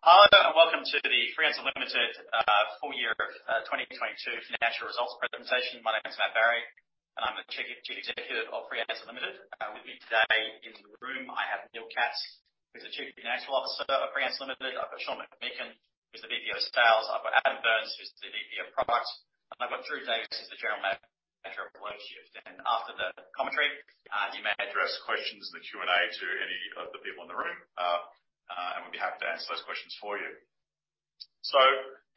Hello, welcome to the Freelancer Limited full year of 2022 financial results presentation. My name is Matt Barrie, I'm the Chief Executive of Freelancer Limited. With me today in the room I have Neil Katz, who's the Chief Financial Officer of Freelancer Limited. I've got Shaun McMeeking, who's the VP of Sales. I've got Adam Byrne, who's the VP of Product, and I've got Drew Davis, who's the General Manager of Workshift. After the commentary, you may address questions in the Q&A to any of the people in the room. We'd be happy to answer those questions for you.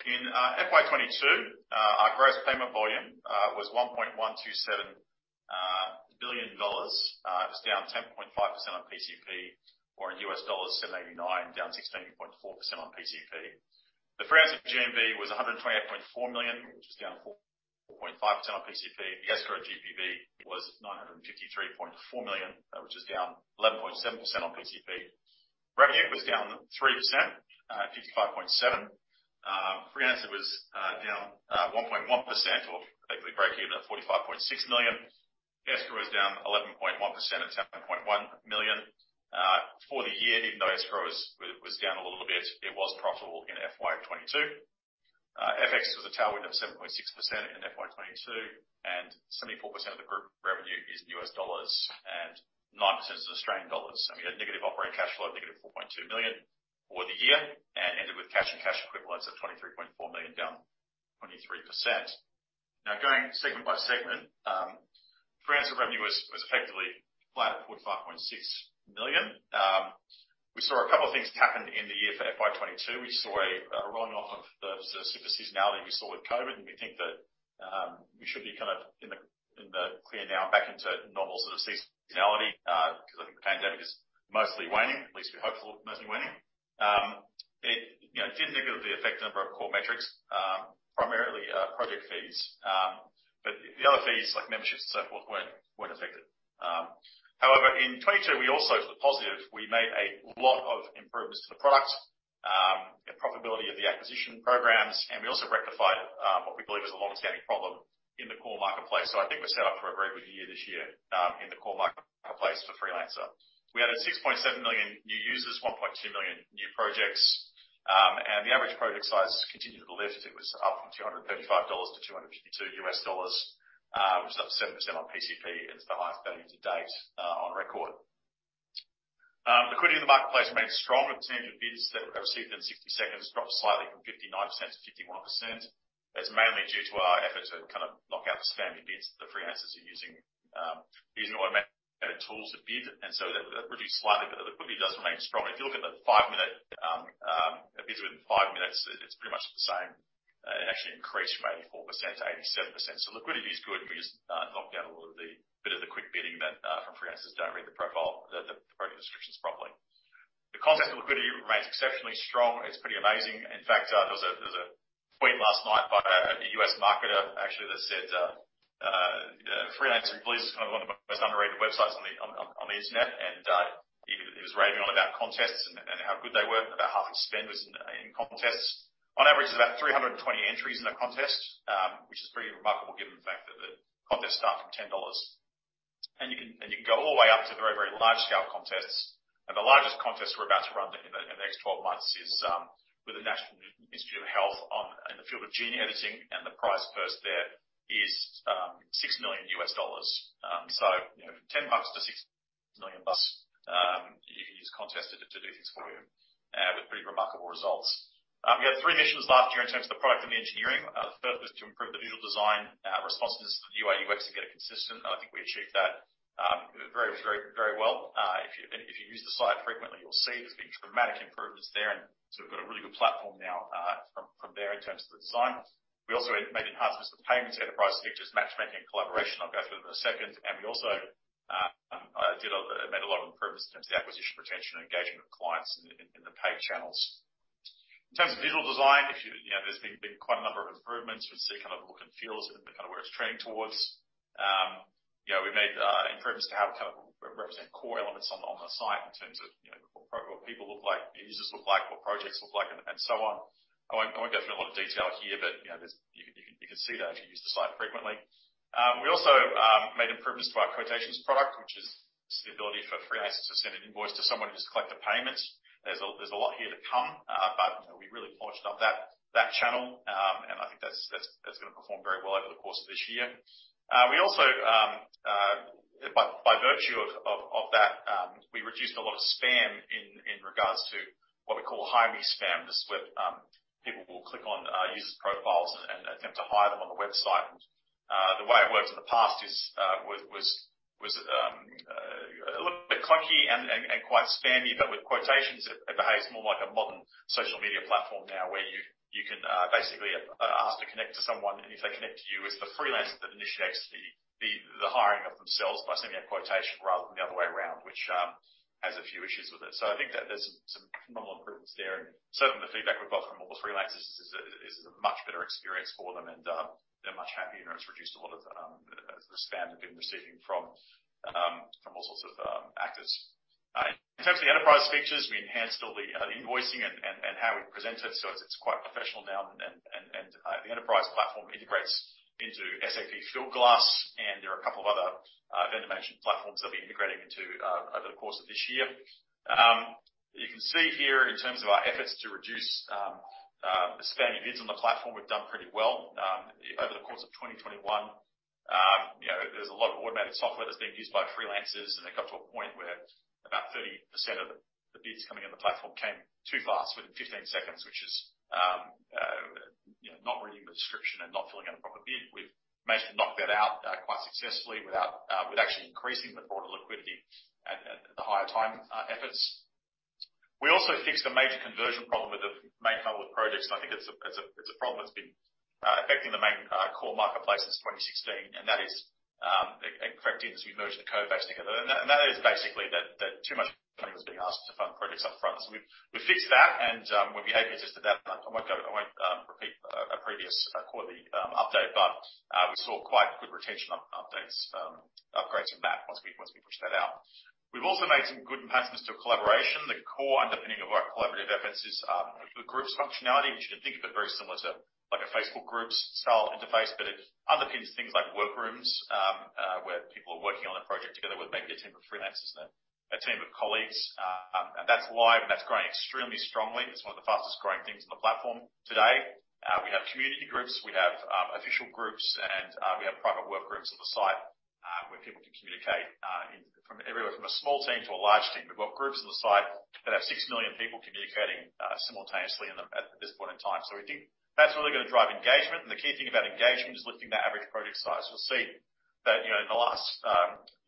In FY 2022, our gross payment volume was 1.127 billion dollars. It was down 10.5% on PCP, or in US dollars, $79 million, down 16.4% on PCP. The Freelancer GMV was $128.4 million, which is down 4.5% on PCP. The Escrow GPV was $953.4 million, which is down 11.7% on PCP. Revenue was down 3%, $55.7 million. Freelancer was down 1.1% for particularly breakeven at $45.6 million. Escrow was down 11.1% at $10.1 million. For the year, even though Escrow is down a little bit, it was profitable in FY 2022. FX was a tailwind of 7.6% in FY 22. 74% of the group revenue is in US dollars, 9% is Australian dollars. We had negative operating cash flow, -$4.2 million for the year, and ended with cash and cash equivalents of $23.4 million, down 23%. Now, going segment by segment, Freelancer revenue was effectively flat at $45.6 million. We saw a couple of things happen in the year for FY 22. We saw a rolling off of the super seasonality we saw with COVID, and we think that we should be kind of in the clear now back into normal sort of seasonality, 'cause I think the pandemic is mostly waning, at least we're hopeful mostly waning. It, you know, did negatively affect a number of core metrics, primarily, project fees. The other fees, like memberships and so forth, weren't affected. In 2022, we also, to the positive, we made a lot of improvements to the product, the profitability of the acquisition programs, and we also rectified what we believe is a long-standing problem in the core marketplace. I think we're set up for a very good year this year, in the core marketplace for Freelancer. We added 6.7 million new users, 1.2 million new projects. The average project size continued to lift. It was up from $235-$252, which is up 7% on PCP. It's the highest value to date, on record. Liquidity in the marketplace remained strong. The percentage of bids that are received in 60 seconds dropped slightly from 59%-51%. That's mainly due to our efforts to kind of knock out the spammy bids that freelancers are using automated tools to bid. That reduced slightly, but the liquidity does remain strong. If you look at the five minute bids within five minutes, it's pretty much the same. It actually increased from 84%-87%. Liquidity is good. We just knocked down a lot of the quick bidding that from freelancers don't read the profile, the product descriptions properly. The contest liquidity remains exceptionally strong. It's pretty amazing. In fact, there was a tweet last night by a U.S. marketer, actually, that said Freelancer probably is kind of one of the most underrated websites on the Internet. He was raving on about contests and how good they were. About half the spend was in contests. On average, there's about 320 entries in a contest, which is pretty remarkable given the fact that the contests start from $10. You can go all the way up to very large scale contests. The largest contest we're about to run in the next 12 months is with the National Institutes of Health in the field of gene editing. The prize purse there is $6 million. You know, from 10 bucks to 6 million bucks plus, you can use contests to do things for you with pretty remarkable results. We had three missions last year in terms of the product and the engineering. The first was to improve the visual design, responses to the UI/UX to get it consistent. I think we achieved that very, very, very well. If you use the site frequently, you'll see there's been dramatic improvements there. We've got a really good platform now from there in terms of the design. We also made enhancements to the payments, enterprise features, matchmaking, and collaboration. I'll go through that in a second. We also made a lot of improvements in terms of the acquisition, retention, and engagement of clients in the paid channels. In terms of visual design, if you know, there's been quite a number of improvements. You can see kind of the look and feel as to kinda where it's trending towards. You know, we made improvements to how we kind of re-represent core elements on the site in terms of, you know, what people look like, what users look like, what projects look like, and so on. I won't go through a lot of detail here, but, you know, there's, you can see that if you use the site frequently. We also made improvements to our quotations product, which is just the ability for freelancers to send an invoice to someone and just collect the payments. There's a lot here to come. You know, we really polished up that channel. I think that's gonna perform very well over the course of this year. We also by virtue of that, we reduced a lot of spam in regards to what we call hire me spam. This is where people will click on users' profiles and attempt to hire them on the website. The way it worked in the past was a little bit clunky and quite spammy. With quotations, it behaves more like a modern social media platform now, where you can basically ask to connect to someone. If they connect to you, it's the freelancer that initiates the hiring of themselves by sending a quotation rather than the other way around, which has a few issues with it. I think that there's some phenomenal improvements there. Certainly the feedback we've got from all the freelancers is a much better experience for them and they're much happier and it's reduced a lot of the spam they've been receiving from all sorts of actors. In terms of the enterprise features, we enhanced all the invoicing and how we present it, so it's quite professional now. The enterprise platform integrates into SAP Fieldglass, and there are a couple of other vendor management platforms that we're integrating into over the course of this year. You can see here in terms of our efforts to reduce the spammy bids on the platform, we've done pretty well. Over the course of 2021, you know, there's a lot of automated software that's being used by freelancers, and it got to a point where about 30% of the bids coming in the platform came too fast, within 15 seconds, which is, you know, not reading the description and not filling out a proper bid. We've managed to knock that out quite successfully with actually increasing the broader liquidity at the higher time efforts. We also fixed a major conversion problem with the main funnel of projects. I think it's a problem that's been affecting the main core marketplace since 2016, and that is and correct me as we merge the code base together. That is basically that too much money was being asked to fund projects up front. We fixed that, and when behavior adjusted that, I won't repeat a previous quarterly update, but we saw quite good retention updates, upgrades from that once we pushed that out. We've also made some good advancements to collaboration. The core underpinning of our collaborative efforts is the groups functionality, which you can think of it very similar to like a Facebook groups style interface. It underpins things like workrooms, where people are working on a project together with maybe a team of freelancers and a team of colleagues. That's live, and that's growing extremely strongly. It's one of the fastest growing things on the platform today. We have community groups. We have official groups, and we have private work groups on the site, where people can communicate, in, from everywhere, from a small team to a large team. We've got groups on the site that have 6 million people communicating simultaneously in them at this point in time. We think that's really gonna drive engagement. The key thing about engagement is lifting the average project size. We'll see that, you know, in the last,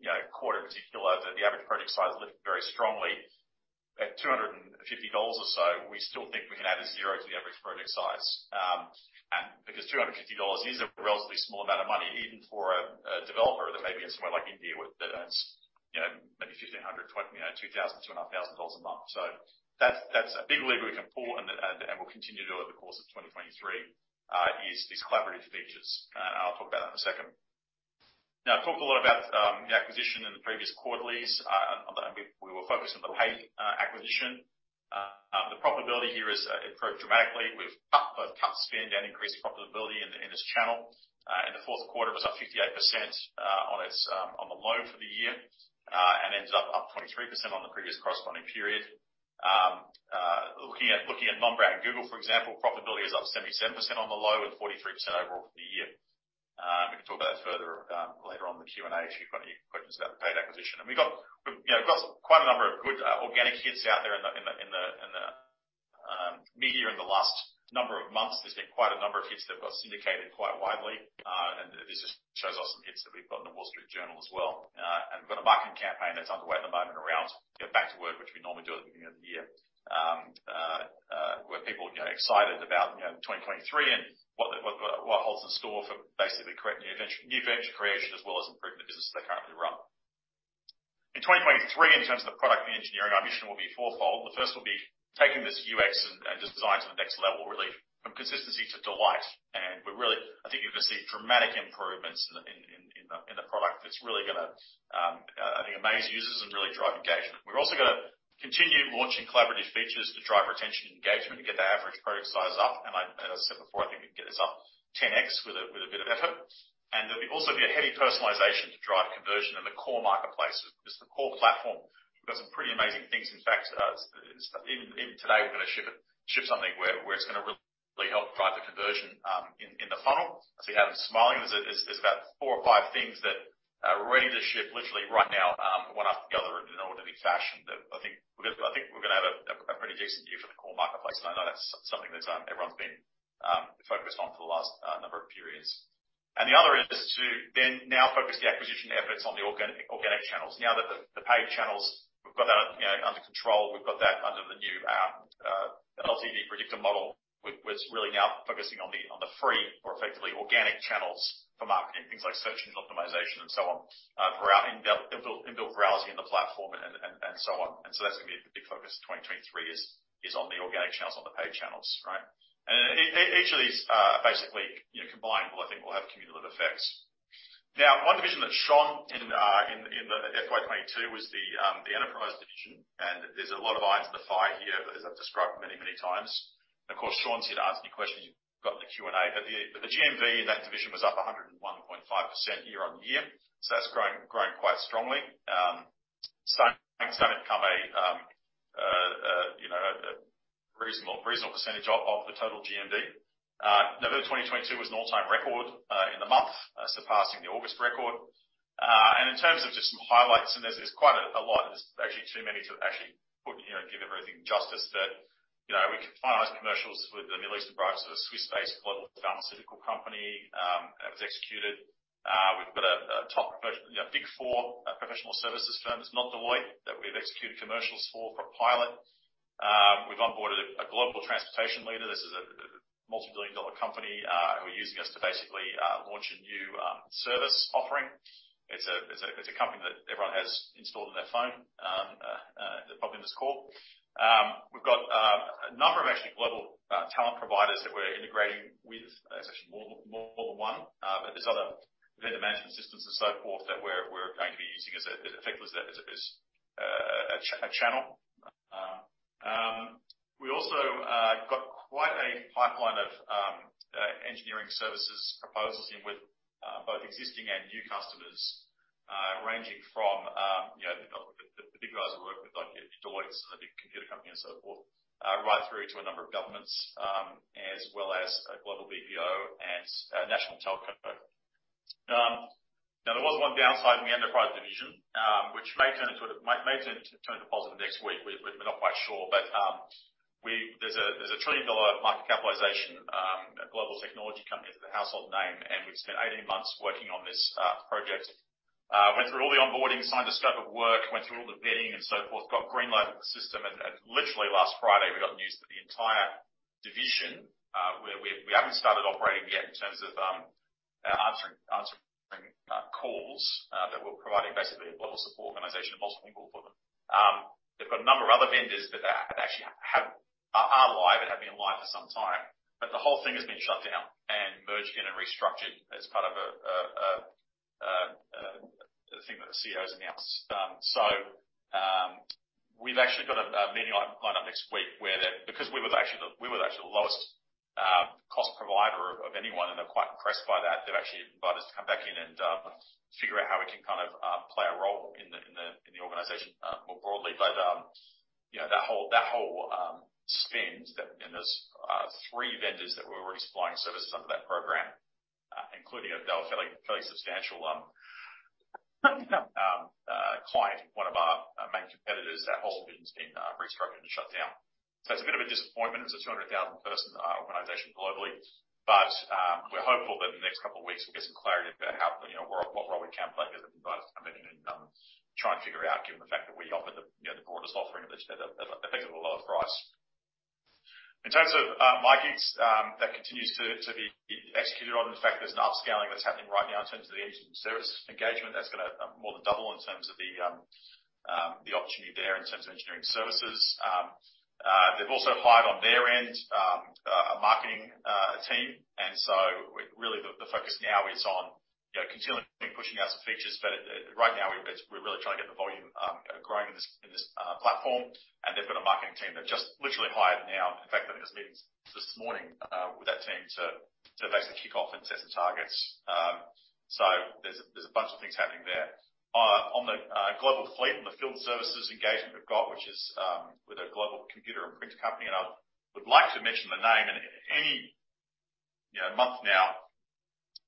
you know, quarter in particular, that the average project size lifted very strongly. At $250 or so, we still think we can add a zero to the average project size. Because $250 is a relatively small amount of money, even for a developer that may be in somewhere like India where, that earns, you know, maybe 1,500, 20, you know, 2,000, $2,500 a month. That's a big lever we can pull and we'll continue to over the course of 2023, is these collaborative features. I'll talk about that in a second. Now, I talked a lot about the acquisition in the previous quarterlies. We were focused on the paid acquisition. The profitability here has improved dramatically. We've both cut spend and increased profitability in this channel. In the fourth quarter, it was up 58% on its on the low for the year, and ended up 23% on the previous corresponding period. Looking at non-brand Google, for example, profitability is up 77% on the low and 43% overall for the year. We can talk about that further later on in the Q&A if you've got any questions about the paid acquisition. We've got, you know, got quite a number of good organic hits out there in the media in the last number of months. There's been quite a number of hits that have got syndicated quite widely. This just shows us some hits that we've got in The Wall Street Journal as well. We've got a marketing campaign that's underway at the moment around, you know, back to work, which we normally do at the beginning of the year. Where people are getting excited about, you know, 2023 and what the what holds in store for basically creating new venture creation, as well as improving the businesses they currently run. In 2023, in terms of the product and engineering, our mission will be fourfold. The first will be taking this UX and design to the next level, really from consistency to delight. I think you're gonna see dramatic improvements in the product that's really gonna I think amaze users and really drive engagement. We're also gonna continue launching collaborative features to drive retention and engagement to get the average project size up. I, as I said before, I think we can get this up 10x with a bit of effort. There'll be also be a heavy personalization to drive conversion in the core marketplace. Just the core platform. We've got some pretty amazing things. In fact, in today, we're gonna ship something where it's gonna really help drive the conversion in the funnel. I see Adam smiling. There's about four or five things that are ready to ship literally right now, one after the other in an orderly fashion that I think we're gonna have a pretty decent year for the core marketplace. I know that's something that everyone's been focused on for the last number of periods. The other is to now focus the acquisition efforts on the organic channels. Now that the paid channels, we've got that, you know, under control. We've got that under the new LTV predictor model which is really now focusing on the free or effectively organic channels for marketing, things like search engine optimization and so on, throughout in-built browsing in the platform and so on. That's gonna be a big focus of 2023 is on the organic channels, on the paid channels, right? Each of these, basically, you know, combined, well, I think will have cumulative effects. One division that's strong in the FY 2022 was the enterprise division. There's a lot of iron in the fire here, as I've described many times. Of course, Sean's here to answer any questions you've got in the Q&A. The GMV in that division was up 101.5% year-on-year. That's growing quite strongly. Starting to become a, you know, a reasonable percentage of the total GMV. November 2022 was an all-time record in the month, surpassing the August record. In terms of just some highlights, there's quite a lot. There's actually too many to actually put, you know, give everything justice. You know, we could finalize commercials with a Middle Eastern branch of a Swiss-based global pharmaceutical company, and it was executed. We've got a top, you know, Big Four professional services firm. It's not Deloitte, that we've executed commercials for a pilot. We've onboarded a global transportation leader. This is a multibillion-dollar company, who are using us to basically launch a new service offering. It's a company that everyone has installed on their phone, probably on this call. We've got a number of actually global talent providers that we're integrating with. It's actually more than one. There's other vendor management systems and so forth that we're going to be using as a Fieldglass, a channel. We also got quite a pipeline of engineering services proposals in with both existing and new customers, ranging from, you know, the big guys we work with like Deloitte and the big computer company and so forth, right through to a number of governments, as well as a global BPO and a national telco. There was one downside in the enterprise division, which may turn into positive next week. We're not quite sure. There's a $1 trillion market capitalization, a global technology company. It's a household name, and we've spent 18 months working on this project. Went through all the onboarding, signed the scope of work, went through all the vetting and so forth. Got green light on the system. Literally last Friday we got news that the entire division where we haven't started operating yet in terms of answering calls that we're providing basically a level of support organization and multiple people for them. They've got a number of other vendors that actually are live and have been live for some time. The whole thing has been shut down and merged in and restructured as part of a thing that the CEO's announced. We've actually got a meeting lined up next week where they're... We were actually the lowest cost provider of anyone, they're quite impressed by that. They've actually invited us to come back in figure out how we can kind of play a role in the organization more broadly. You know, that whole spend there's three vendors that were already supplying services under that program, including a fairly substantial client, one of our main competitors. That whole thing's been restructured and shut down. It's a bit of a disappointment. It's a 200,000 person organization globally. We're hopeful that in the next couple of weeks we'll get some clarity about how, you know, what role we can play. They've invited us to come back in and try and figure out given the fact that we offer the, you know, the broadest offering of these at a effectively lower price. In terms of Myki, that continues to be executed on. In fact, there's an upscaling that's happening right now in terms of the engine service engagement that's gonna more than double in terms of the opportunity there in terms of engineering services. They've also hired on their end a marketing team. Really the focus now is on, you know, continually pushing out some features. Right now we're really trying to get the volume growing in this platform. They've got a marketing team they've just literally hired now. In fact, I'm in meetings this morning with that team to basically kick off and set some targets. There's a bunch of things happening there. On the global fleet and the field services engagement we've got, which is with a global computer and print company, I would like to mention the name. In any, you know, month now,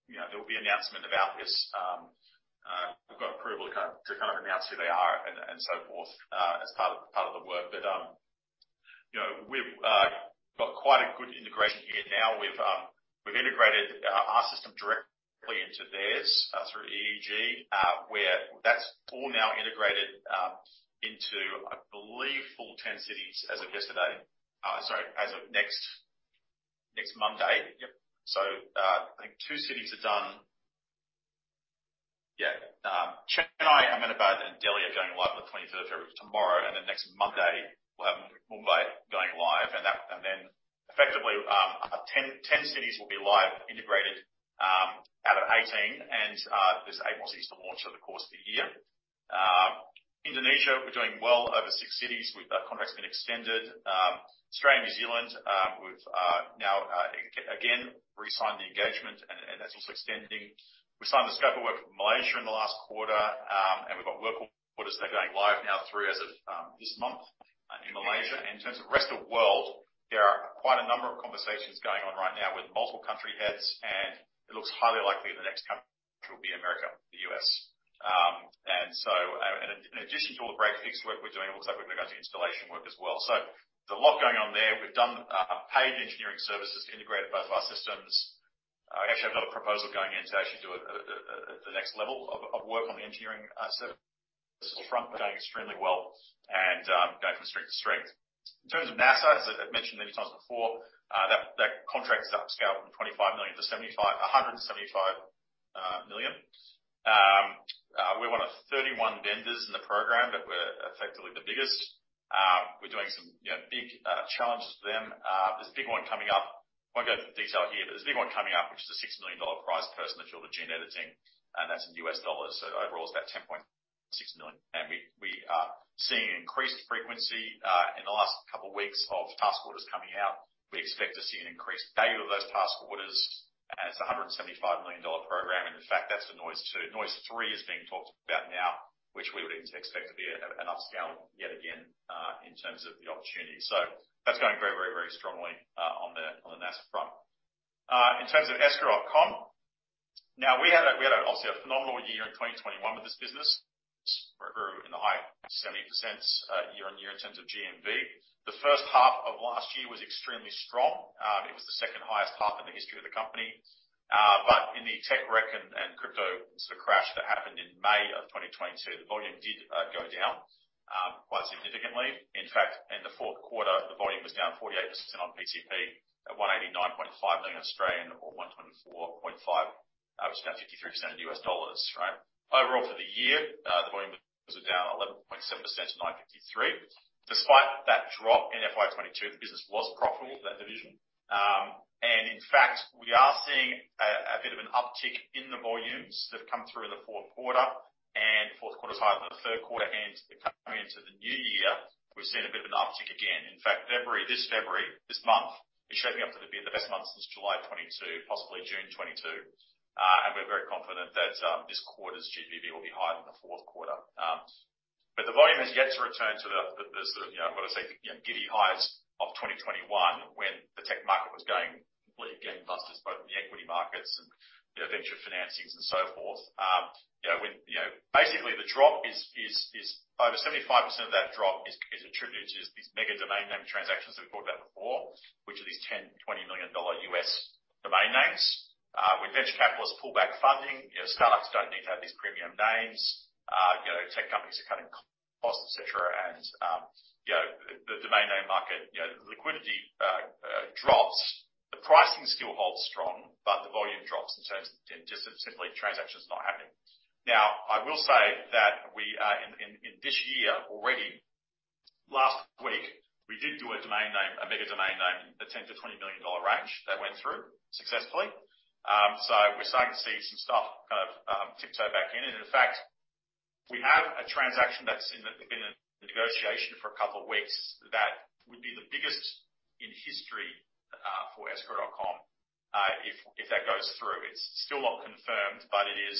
you know, there'll be announcement about this. We've got approval to kind of announce who they are and so forth as part of the work. You know, we've got quite a good integration here now. We've integrated our system directly into theirs through EEG, where that's all now integrated into, I believe full 10 cities as of yesterday. Sorry, as of next Monday. Yep. I think two cities are done. Yeah. Chennai, Ahmedabad and Delhi are going live on the 23rd, tomorrow. Next Monday we'll have Mumbai going live. Then effectively, 10 cities will be live integrated out of 18. There's eight more cities to launch over the course of the year. Indonesia, we're doing well over six cities. We've contract's been extended. Australia and New Zealand, we've now again re-signed the engagement and that's also extending. We signed the scope of work for Malaysia in the last quarter. We've got work orders that are going live now through as of this month in Malaysia. In terms of rest of world, there are quite a number of conversations going on right now with multiple country heads, and it looks highly likely the next country will be America, the U.S. In addition to all the brackets work we're doing, it looks like we're going to go to installation work as well. There's a lot going on there. We've done paid engineering services, integrated both of our systems. I actually have another proposal going in to actually do the next level of work on the engineering service front. We're doing extremely well and going from strength to strength. In terms of NASA, as I've mentioned many times before, that contract is upscaled from $25 million-$175 million. We're one of 31 vendors in the program, but we're effectively the biggest. We're doing some, you know, big challenges for them. There's a big one coming up. I won't go into the detail here, but there's a big one coming up, which is a $6 million prize per person that's all the gene editing, and that's in US dollars. Overall it's about $10.6 million. We are seeing an increased frequency in the last couple of weeks of task orders coming out. We expect to see an increased value of those task orders as a $175 million program. In fact, that's the NOISE2. NOISE3 is being talked about now, which we would even expect to be an upscale yet again in terms of the opportunity. That's going very, very, very strongly on the NASA front. In terms of Escrow.com, we obviously had a phenomenal year in 2021 with this business. We grew in the high 70% year-over-year in terms of GMV. The first half of last year was extremely strong. It was the second highest half in the history of the company. But in the tech wreck and crypto sort of crash that happened in May of 2022, the volume did go down quite significantly. In fact, in the fourth quarter, the volume was down 48% on PCP at 189.5 million or $124.5 million, which is about 53% in US dollars, right? Overall, for the year, the volume was down 11.7% to 953. Despite that drop in FY 2022, the business was profitable, that division. In fact, we are seeing a bit of an uptick in the volumes that have come through in the fourth quarter. Fourth quarter is higher than the third quarter. Into the new year, we've seen a bit of an uptick again. In fact, February, this February, this month, is shaping up to be the best month since July 2022, possibly June 2022. We're very confident that this quarter's GDP will be higher than the fourth quarter. The volume has yet to return to the, the sort of, you know, what I say, you know, giddy highs of 2021 when the tech market was going completely gangbusters, both in the equity markets and, you know, venture financings and so forth. Basically, the drop is over 75% of that drop is attributed to these mega domain name transactions that we've talked about before, which are these $10 million-$20 million US domain names. When venture capitalists pull back funding, you know, start-ups don't need to have these premium names. You know, tech companies are cutting costs, et cetera. The, the domain name market, you know, the liquidity drops. The pricing still holds strong, but the volume drops in terms of, in just simply transactions not happening. Now, I will say that we, in this year already, last week, we did do a domain name, a mega domain name, in the $10 million-$20 million range that went through successfully. We're starting to see some stuff kind of tiptoe back in. In fact, we have a transaction that's been in the negotiation for a couple of weeks that would be the biggest in history for Escrow.com, if that goes through. It's still not confirmed, but it is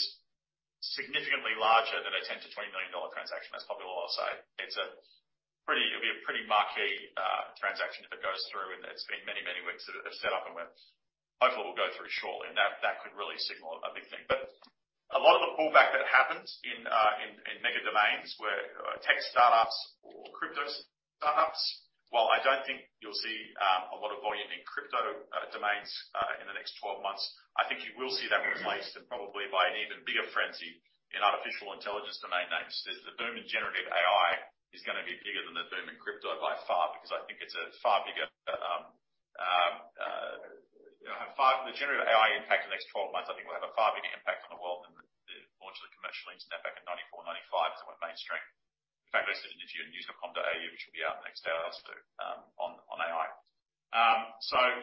significantly larger than a $10 million-$20 million transaction. That's probably all I'll say. It'll be a pretty marquee transaction if it goes through, and it's been many, many weeks that it have set up and went. Hopefully, it will go through shortly, and that could really signal a big thing. A lot of the pullback that happens in mega domains where tech start-ups or crypto start-ups, while I don't think you'll see a lot of volume in crypto domains in the next 12 months. I think you will see that replaced and probably by an even bigger frenzy in artificial intelligence domain names. The boom in generative AI is gonna be bigger than the boom in crypto by far, because I think it's a far bigger. The generative AI impact in the next 12 months, I think, will have a far bigger impact on the world than the launch of the commercial internet back in 94, 95, 'cause we went mainstream. In fact, I said in the economic commentary AU, which will be out in the next day or so, on AI.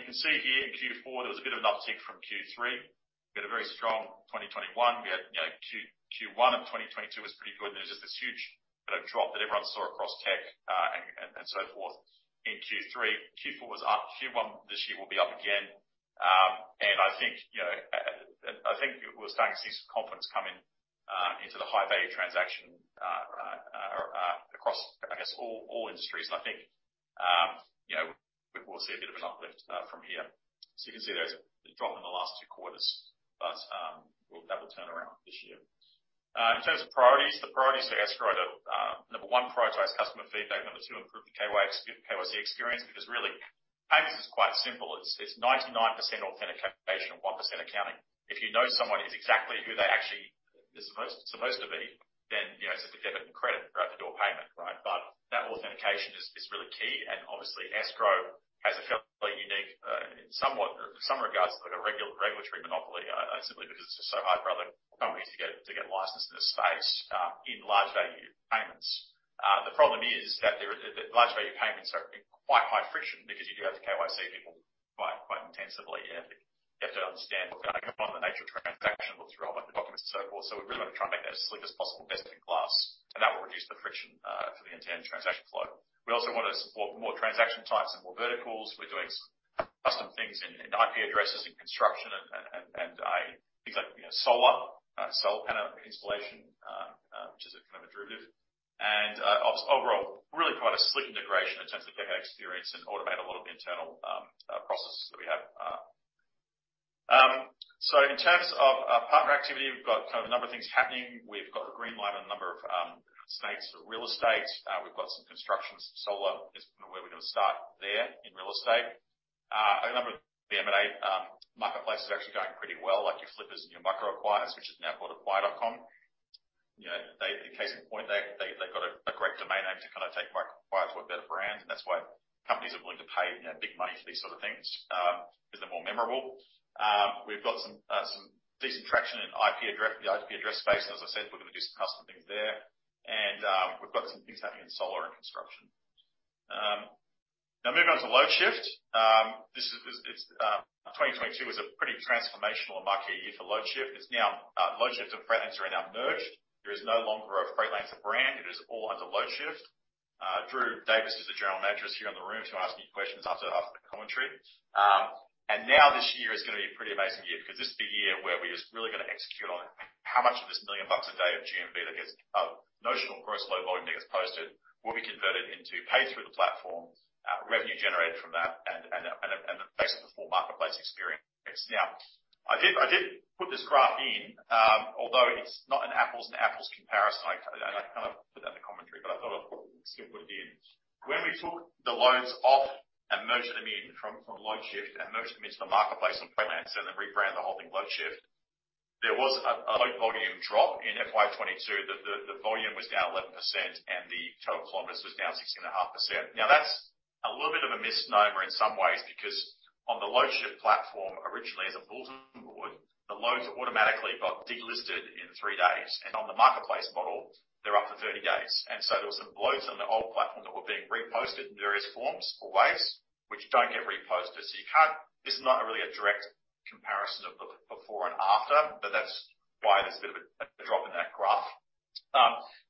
You can see here in Q4, there was a bit of an uptick from Q3. We had a very strong 2021. We had, you know, Q1 of 2022 was pretty good, then just this huge kind of drop that everyone saw across tech and so forth in Q3. Q4 was up. Q1 this year will be up again. I think, you know, I think we're starting to see some confidence come in into the high value transaction across, I guess all industries. I think, you know, we will see a bit of an uplift from here. You can see there's a drop in the last two quarters, we'll have a turnaround this year. In terms of priorities, the priorities at Escrow are, number one priority is customer feedback. Number two, improve the KYC experience, because really, payments is quite simple. It's 99% authentication and 1% accounting. If you know someone is exactly who they actually is supposed to be, then, you know, it's a debit and credit throughout the door payment, right? That authentication is really key. Obviously Escrow has a fairly unique, in somewhat some regards, like a regulatory monopoly, simply because it's just so hard for other companies to get, to get licensed in this space, in large value payments. The problem is that there is... The large value payments are quite high friction because you do have to KYC people quite intensively, and you have to understand what's going on, the nature of transaction, what's relevant, the documents and so forth. We really want to try and make that as slick as possible, best in class, and that will reduce the friction for the end-to-end transaction flow. We also want to support more transaction types and more verticals. We're doing some custom things in IP addresses and construction and things like, you know, solar panel installation, which is a kind of a derivative. Overall, really quite a slick integration in terms of checkout experience and automate a lot of the internal processes that we have. In terms of partner activity, we've got kind of a number of things happening. We've got the green light on a number of snakes for real estate. We've got some construction solar. It's kind of where we're gonna start there in real estate. A number of the M&A marketplace is actually going pretty well, like your Flippa and your MicroAcquire, which is now called Acquire.com. You know, the case in point, they've got a great domain name to kinda take MicroAcquire to a better brand, and that's why companies are willing to pay, you know, big money for these sort of things because they're more memorable. We've got some decent traction in IP address, the IP address space. As I said, we're gonna do some custom things there. We've got some things happening in solar and construction. Now moving on to Loadshift. 2022 was a pretty transformational and marquee year for Loadshift. It's now, Loadshift and Freightlancer are now merged. There is no longer a Freightlancer brand. It is all under Loadshift. Drew Davis, who's the general manager, is here in the room if you want to ask any questions after the commentary. Now this year is gonna be a pretty amazing year because this is the year where we're just really gonna execute on how much of this 1 million bucks a day of GMV that gets, notional gross load volume that gets posted will be converted into pay through the platform, revenue generated from that and the price of the full marketplace experience. I did put this graph in, although it's not an apples and apples comparison. I kind of put that in the commentary, I thought I still put it in. When we took the loans off and merged them in from Loadshift and merged them into the marketplace on Freightlancer and rebranded the whole thing Loadshift, there was a load volume drop in FY 2022. The volume was down 11%, the total kilometers was down 16.5%. That's a little bit of a misnomer in some ways because on the Loadshift platform, originally as a bulletin board, the loads automatically got delisted in three days. On the marketplace model, they're up to 30 days. There was some loads on the old platform that were being reposted in various forms or ways which don't get reposted. You can't. This is not really a direct comparison of the before and after, but that's why there's a bit of a drop in that graph.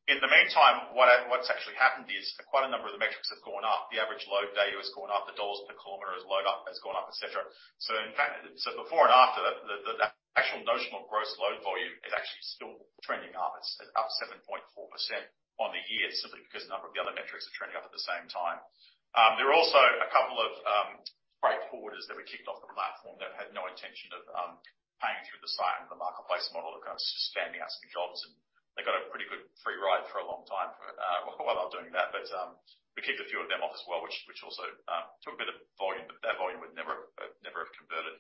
In the meantime, what's actually happened is quite a number of the metrics have gone up. The average load value has gone up, the AUD per kilometer is load up, has gone up, et cetera. Before and after the actual notional gross load volume is actually still trending up. It's up 7.4% on the year, simply because a number of the other metrics are trending up at the same time. There are also a couple of freight forwarders that we kicked off the platform that had no intention of paying through the site and the marketplace model of kind of just standing out some jobs, and they got a pretty good free ride for a long time while they were doing that. We kicked a few of them off as well, which also took a bit of volume, but that volume would never have never have converted.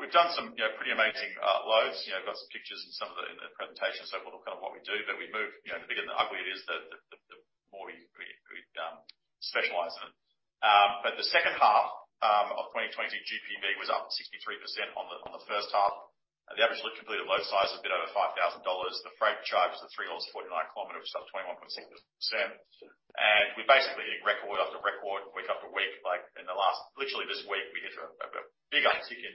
We've done some, you know, pretty amazing loads. You know, we've got some pictures in some of the, in the presentation, so we'll look at what we do. We move, you know, the bigger and the uglier it is, the more we specialize in it. The second half of 2020, GPV was up 63% on the first half. The average completed load size was a bit over 5,000 dollars. The freight charge was at 3.49 a kilometer, which is up 21.6%. We're basically hitting record after record, week after week. Like, literally this week, we hit a big uptick in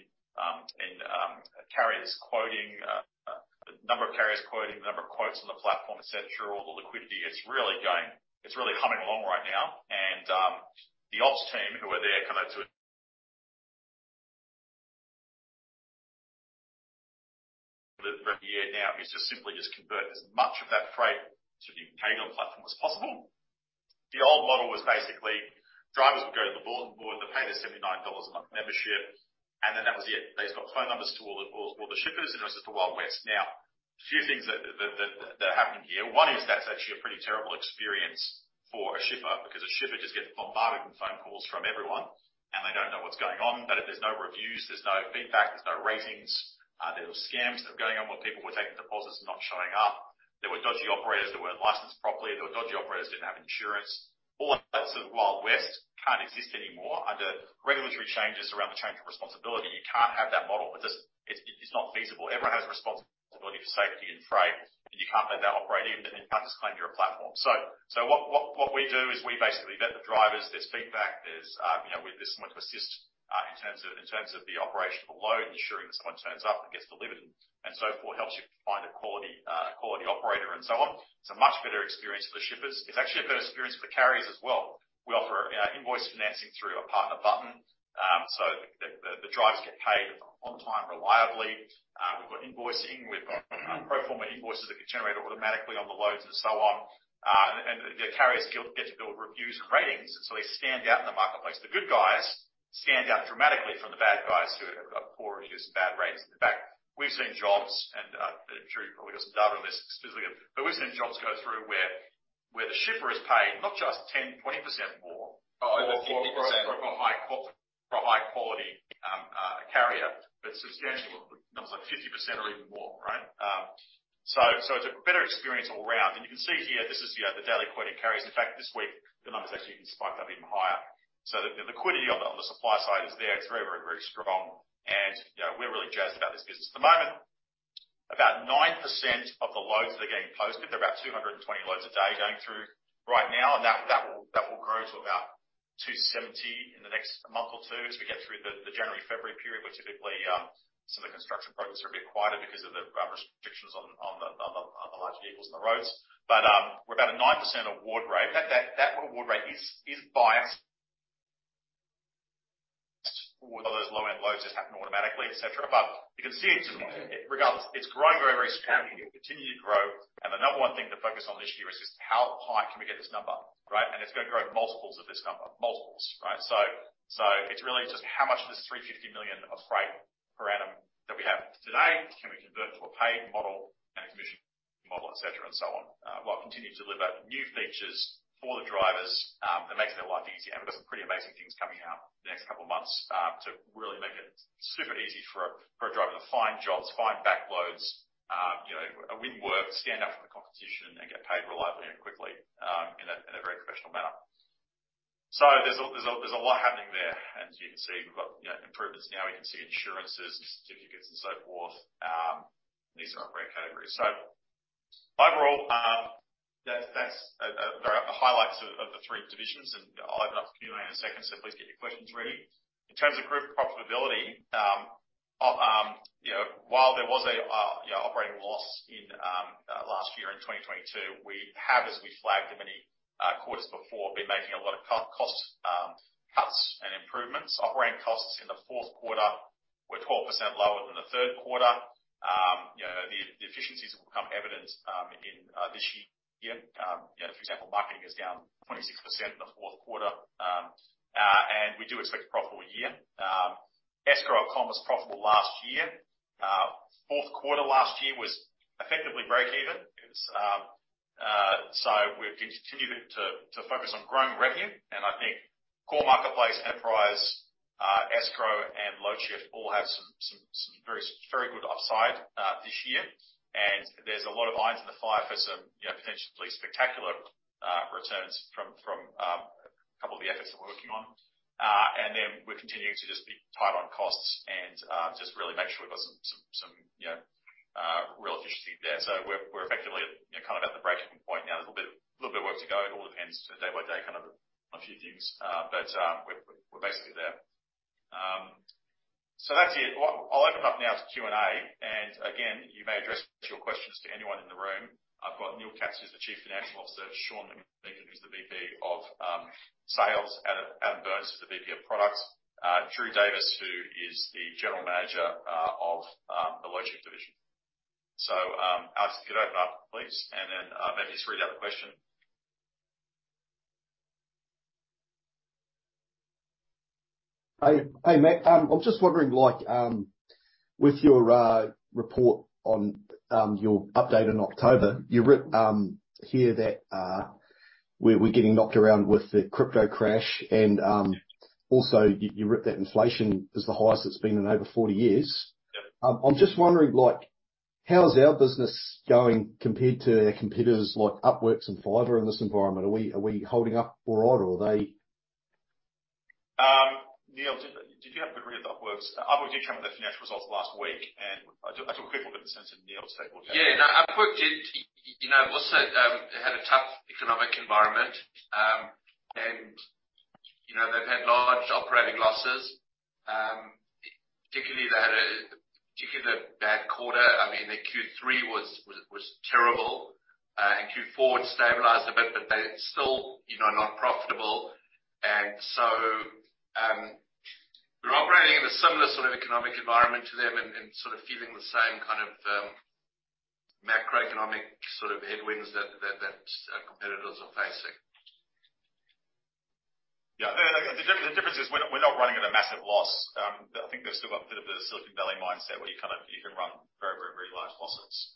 carriers quoting, the number of carriers quoting, the number of quotes on the platform, et cetera, all the liquidity. It's really humming along right now. The ops team who are there kinda for a year now is to simply just convert as much of that freight to being paid on the platform as possible. The old model was basically, drivers would go to the bulletin board, they pay their 79 dollars a month membership. That was it. They just got phone numbers to all the shippers. It was just the Wild West. A few things that happened here, one is that's actually a pretty terrible experience for a shipper, because a shipper just gets bombarded with phone calls from everyone, and they don't know what's going on. If there's no reviews, there's no feedback, there's no ratings, there were scams that were going on where people were taking deposits and not showing up. There were dodgy operators that weren't licensed properly. There were dodgy operators who didn't have insurance. All that sort of Wild West can't exist anymore. Under regulatory changes around the change of responsibility, you can't have that model. It just, it's not feasible. Everyone has responsibility for safety in freight, you can't let that operate, even if you can't just claim you're a platform. What we do is we basically vet the drivers. There's feedback, there's, you know, there's someone to assist in terms of the operational load, ensuring that someone turns up and gets delivered and so forth, helps you find a quality operator and so on. It's a much better experience for the shippers. It's actually a better experience for the carriers as well. We offer, you know, invoice financing through a partner button, the drivers get paid on time reliably. We've got invoicing, we've got pro forma invoices that get generated automatically on the loads and so on. The carriers get to build reviews and ratings, and so they stand out in the marketplace. The good guys stand out dramatically from the bad guys who have got poor reviews and bad ratings. In fact, we've seen jobs, and, I'm sure you've probably got some data on this specifically, but we've seen jobs go through where the shipper is paying not just 10, 20% more... Oh, over 50%. For a high quality carrier, but substantial. Numbers like 50% or even more, right? So it's a better experience all round. You can see here, this is, you know, the daily quoting carriers. In fact, this week, the numbers actually spiked up even higher. The liquidity on the supply side is there. It's very strong. You know, we're really jazzed about this business. At the moment, about 9% of the loads that are getting posted, there are about 220 loads a day going through right now, that will grow to about 270 in the next month or two as we get through the January, February period, where typically, some of the construction projects are a bit quieter because of the restrictions on the larger vehicles on the roads. We're about a 9% award rate. That award rate is biased all of those low-end loads just happen automatically, et cetera. You can see it's, regardless, it's growing very, very strongly. It'll continue to grow. The number 1 thing to focus on this year is just how high can we get this number, right? It's going to grow multiples of this number. Multiples, right? It's really just how much of this 350 million of freight per annum that we have today can we convert to a paid model and a commission model, et cetera, and so on. We'll continue to deliver new features for the drivers that makes their life easier. We've got some pretty amazing things coming out in the next couple of months to really make it super easy for a driver to find jobs, find back loads, you know, win work, stand out from the competition, and get paid reliably and quickly in a very professional manner. There's a lot happening there. As you can see, we've got, you know, improvements now. We can see insurances and certificates and so forth, based on our freight category. Overall, that's the highlights of the three divisions. I'll open up for Q&A in a second. Please get your questions ready. In terms of group profitability, you know, while there was a, you know, operating loss in 2022, we have, as we flagged in many quarters before, been making a lot of cost cuts and improvements. Operating costs in the fourth quarter were 12% lower than the third quarter. You know, the efficiencies will become evident this year. You know, for example, marketing is down 26% in the fourth quarter. We do expect a profitable year. Escrow.com was profitable last year. 4th quarter last year was effectively break even. We've continued to focus on growing revenue. I think Core Marketplace, Enterprise, Escrow, and Loadshift all have some very good upside this year. There's a lot of irons in the fire for some, you know, potentially spectacular returns from two of the efforts we're working on. We're continuing to just be tight on costs and just really make sure we've got some, you know, real efficiency there. We're effectively, you know, coming down the Work to go. It all depends day by day, kind of a few things, but we're basically there. That's it. Well, I'll open up now to Q&A. Again, you may address your questions to anyone in the room. I've got Neil Katz, who's the Chief Financial Officer. Shaun McMeeking, who's the VP of Sales. Adam Byrne is the VP of Product. Drew Davis, who is the General Manager of the Loadshift division. Alex, if you could open up, please, and then maybe just read out the question. Hey, hey, Matt. I'm just wondering with your report on your update in October, you writ here that we're getting knocked around with the crypto crash. Also you writ that inflation is the highest it's been in over 40 years. Yep. I'm just wondering, like, how's our business going compared to our competitors like Upwork and Fiverr in this environment? Are we holding up all right, or are they... Neil, did you happen to read Upwork's? Upwork did come with their financial results last week, I took a quick look at the sense, Neil has taken a look at it. Yeah. No, Upwork did. You know, also, had a tough economic environment, and, you know, they've had large operating losses. Particularly they had a particularly bad quarter. I mean, their Q3 was terrible. In Q4 it stabilized a bit, but they're still, you know, not profitable. We're operating in a similar sort of economic environment to them and sort of feeling the same kind of macroeconomic sort of headwinds that our competitors are facing. Yeah. The difference is we're not running at a massive loss. I think they've still got a bit of a Silicon Valley mindset where you kinda, you can run very large losses.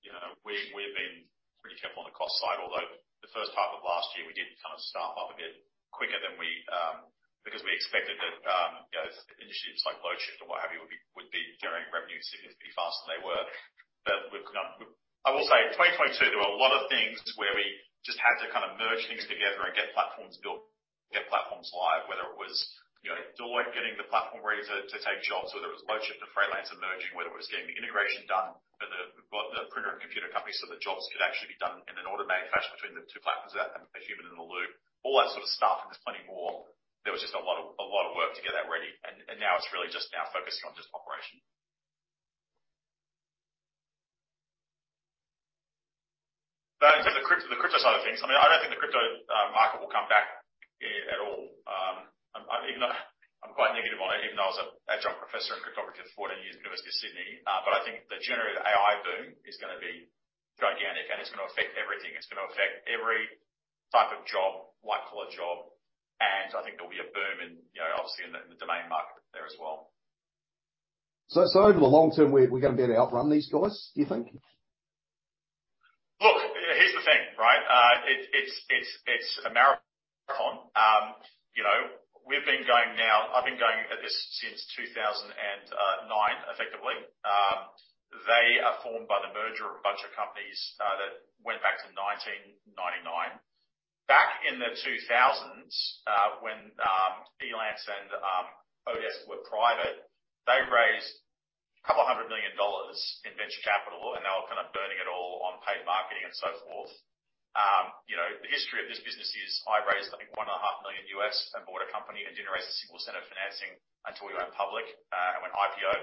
You know, we've been pretty careful on the cost side, although the first half of last year we did kind of staff up a bit quicker than we. Because we expected that, you know, initiatives like Loadshift or what have you would be generating revenue significantly faster than they were. We've come. I will say in 2022, there were a lot of things where we just had to kind of merge things together and get platforms built, get platforms live. Whether it was, you know, Deloitte getting the platform ready to take jobs, whether it was Loadshift and Freightlancer merging, whether it was getting the integration done for the Printer and Computer Company so that jobs could actually be done in an automated fashion between the two platforms without a human in the loop. All that sort of stuff, there's plenty more. There was just a lot of work to get that ready. Now it's really just now focusing on just operation. In terms of the crypto side of things, I mean, I don't think the crypto market will come back at all. Even though I'm quite negative on it, even though I was an adjunct professor in cryptocurrency for 14 years at The University of Sydney. I think the generative AI boom is gonna be gigantic, and it's gonna affect everything. It's gonna affect every type of job, white-collar job. I think there'll be a boom in, you know, obviously in the, in the domain market there as well. Over the long term, we're gonna be able to outrun these guys, do you think? Look, here's the thing, right? It's a marathon. You know, I've been going at this since 2009, effectively. They are formed by the merger of a bunch of companies that went back to 1999. Back in the 2000s, when Elance and oDesk were private, they raised $200 million in venture capital, and they were kind of burning it all on paid marketing and so forth. You know, the history of this business is I raised, I think, $1.5 million and bought a company and didn't raise a single cent of financing until we went public and went IPO.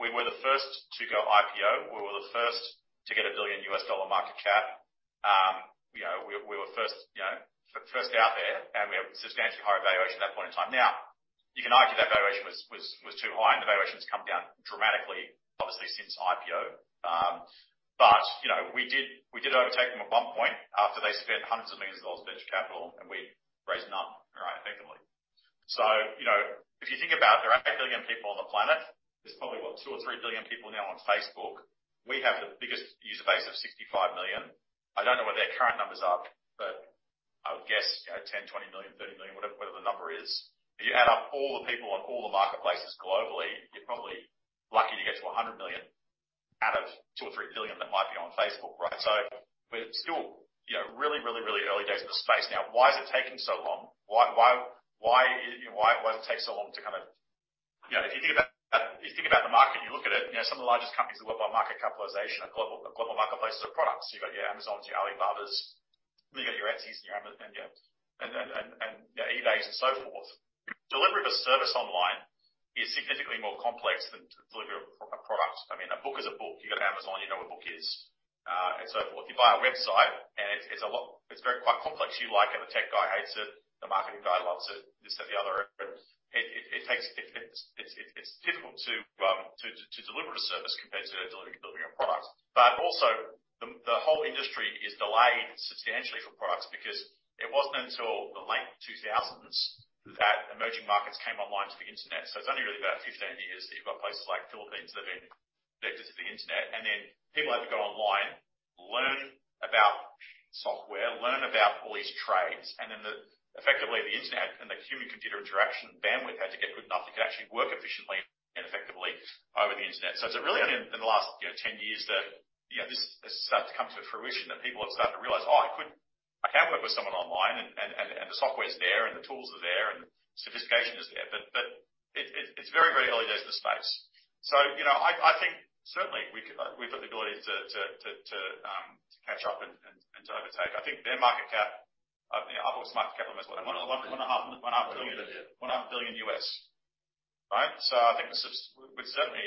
We were the first to go IPO. We were the first to get a $1 billion market cap. You know, we were first out there, and we have substantially higher valuation at that point in time. Now, you can argue that valuation was, was too high, and the valuation's come down dramatically, obviously, since IPO. You know, we did overtake them at one point after they spent hundreds of millions of dollars of venture capital, and we'd raised none, right, effectively. You know, if you think about there are 8 billion people on the planet, there's probably, what, 2 or 3 billion people now on Facebook. We have the biggest user base of 65 million. I don't know what their current numbers are, but I would guess, you know, 10, 20 million, 30 million, whatever the number is. If you add up all the people on all the marketplaces globally, you're probably lucky to get to 100 million out of 2 or 3 billion that might be on Facebook, right? We're still, you know, really early days in the space. Why is it taking so long? Why, you know, why does it take so long to kind of. You know, if you think about the market, and you look at it, you know, some of the largest companies in the world by market capitalization are global marketplaces of products. You've got your Amazons, your Alibabas. You've got your Etsys and your, you know, eBays and so forth. Delivery of a service online is significantly more complex than delivery of a product. I mean, a book is a book. You go to Amazon, you know what a book is, and so forth. You buy a website, it's very quite complex. You like it, the tech guy hates it, the marketing guy loves it. This, that, and the other. It's difficult to deliver a service compared to delivering a product. Also, the whole industry is delayed substantially for products because it wasn't until the late 2000s that emerging markets came online to the internet. It's only really about 15 years that you've got places like Philippines that have been connected to the internet. Then people had to go online, learn about software, learn about all these trades, and then the. Effectively, the internet and the human computer interaction bandwidth had to get good enough that you could actually work efficiently and effectively over the internet. It's really only in the last, you know, 10 years that, you know, this has started to come to fruition, that people have started to realize, oh, I can work with someone online, and the software's there, and the tools are there, and sophistication is there. But it's very, very early days in the space. I think certainly we can to catch up and to overtake. I think their market cap, you know, I've always marked capital as $1.5 billion. $1.5 billion US. Right? I think we'd certainly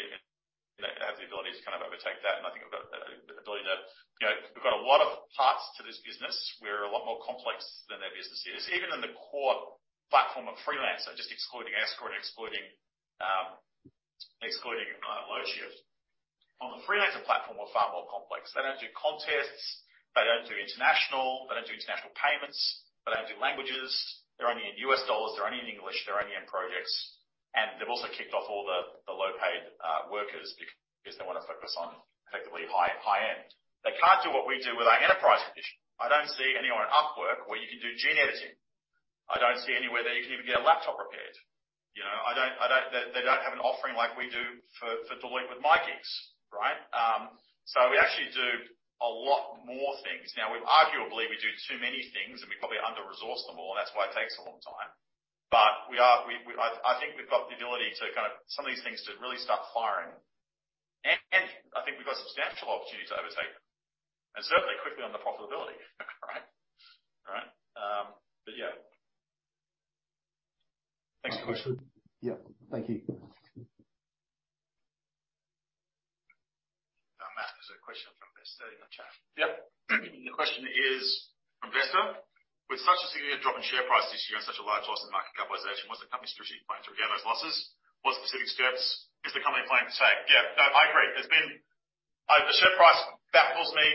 have the ability to kind of overtake that, and I think we've got the ability to. You know, we've got a lot of parts to this business. We're a lot more complex than their business is. Even in the core platform of Freelancer, just excluding Escrow and excluding Loadshift. On the Freelancer platform, we're far more complex. They don't do contests, they don't do international, they don't do international payments, they don't do languages, they're only in US dollars, they're only in English, they're only in projects. They've also kicked off all the low-paid workers because they wanna focus on effectively high-end. They can't do what we do with our enterprise edition. I don't see anyone in Upwork where you can do gene editing. I don't see anywhere that you can even get a laptop repaired. You know? They don't have an offering like we do for dealing with MyGigs, right? We actually do a lot more things. Now, we've arguably we do too many things, and we probably under-resource them all, and that's why it takes a long time. I think we've got the ability to Some of these things to really start firing. I think we've got substantial opportunities to overtake them. Certainly quickly on the profitability, right? Right. Yeah. Next question. Yeah. Thank you. Matt, there's a question from Vesta in the chat. Yeah. The question is, from Vesta: With such a significant drop in share price this year and such a large loss in market capitalization, what's the company's strategic plan to regain those losses? What specific steps is the company planning to take? Yeah. No, I agree. There's been... The share price baffles me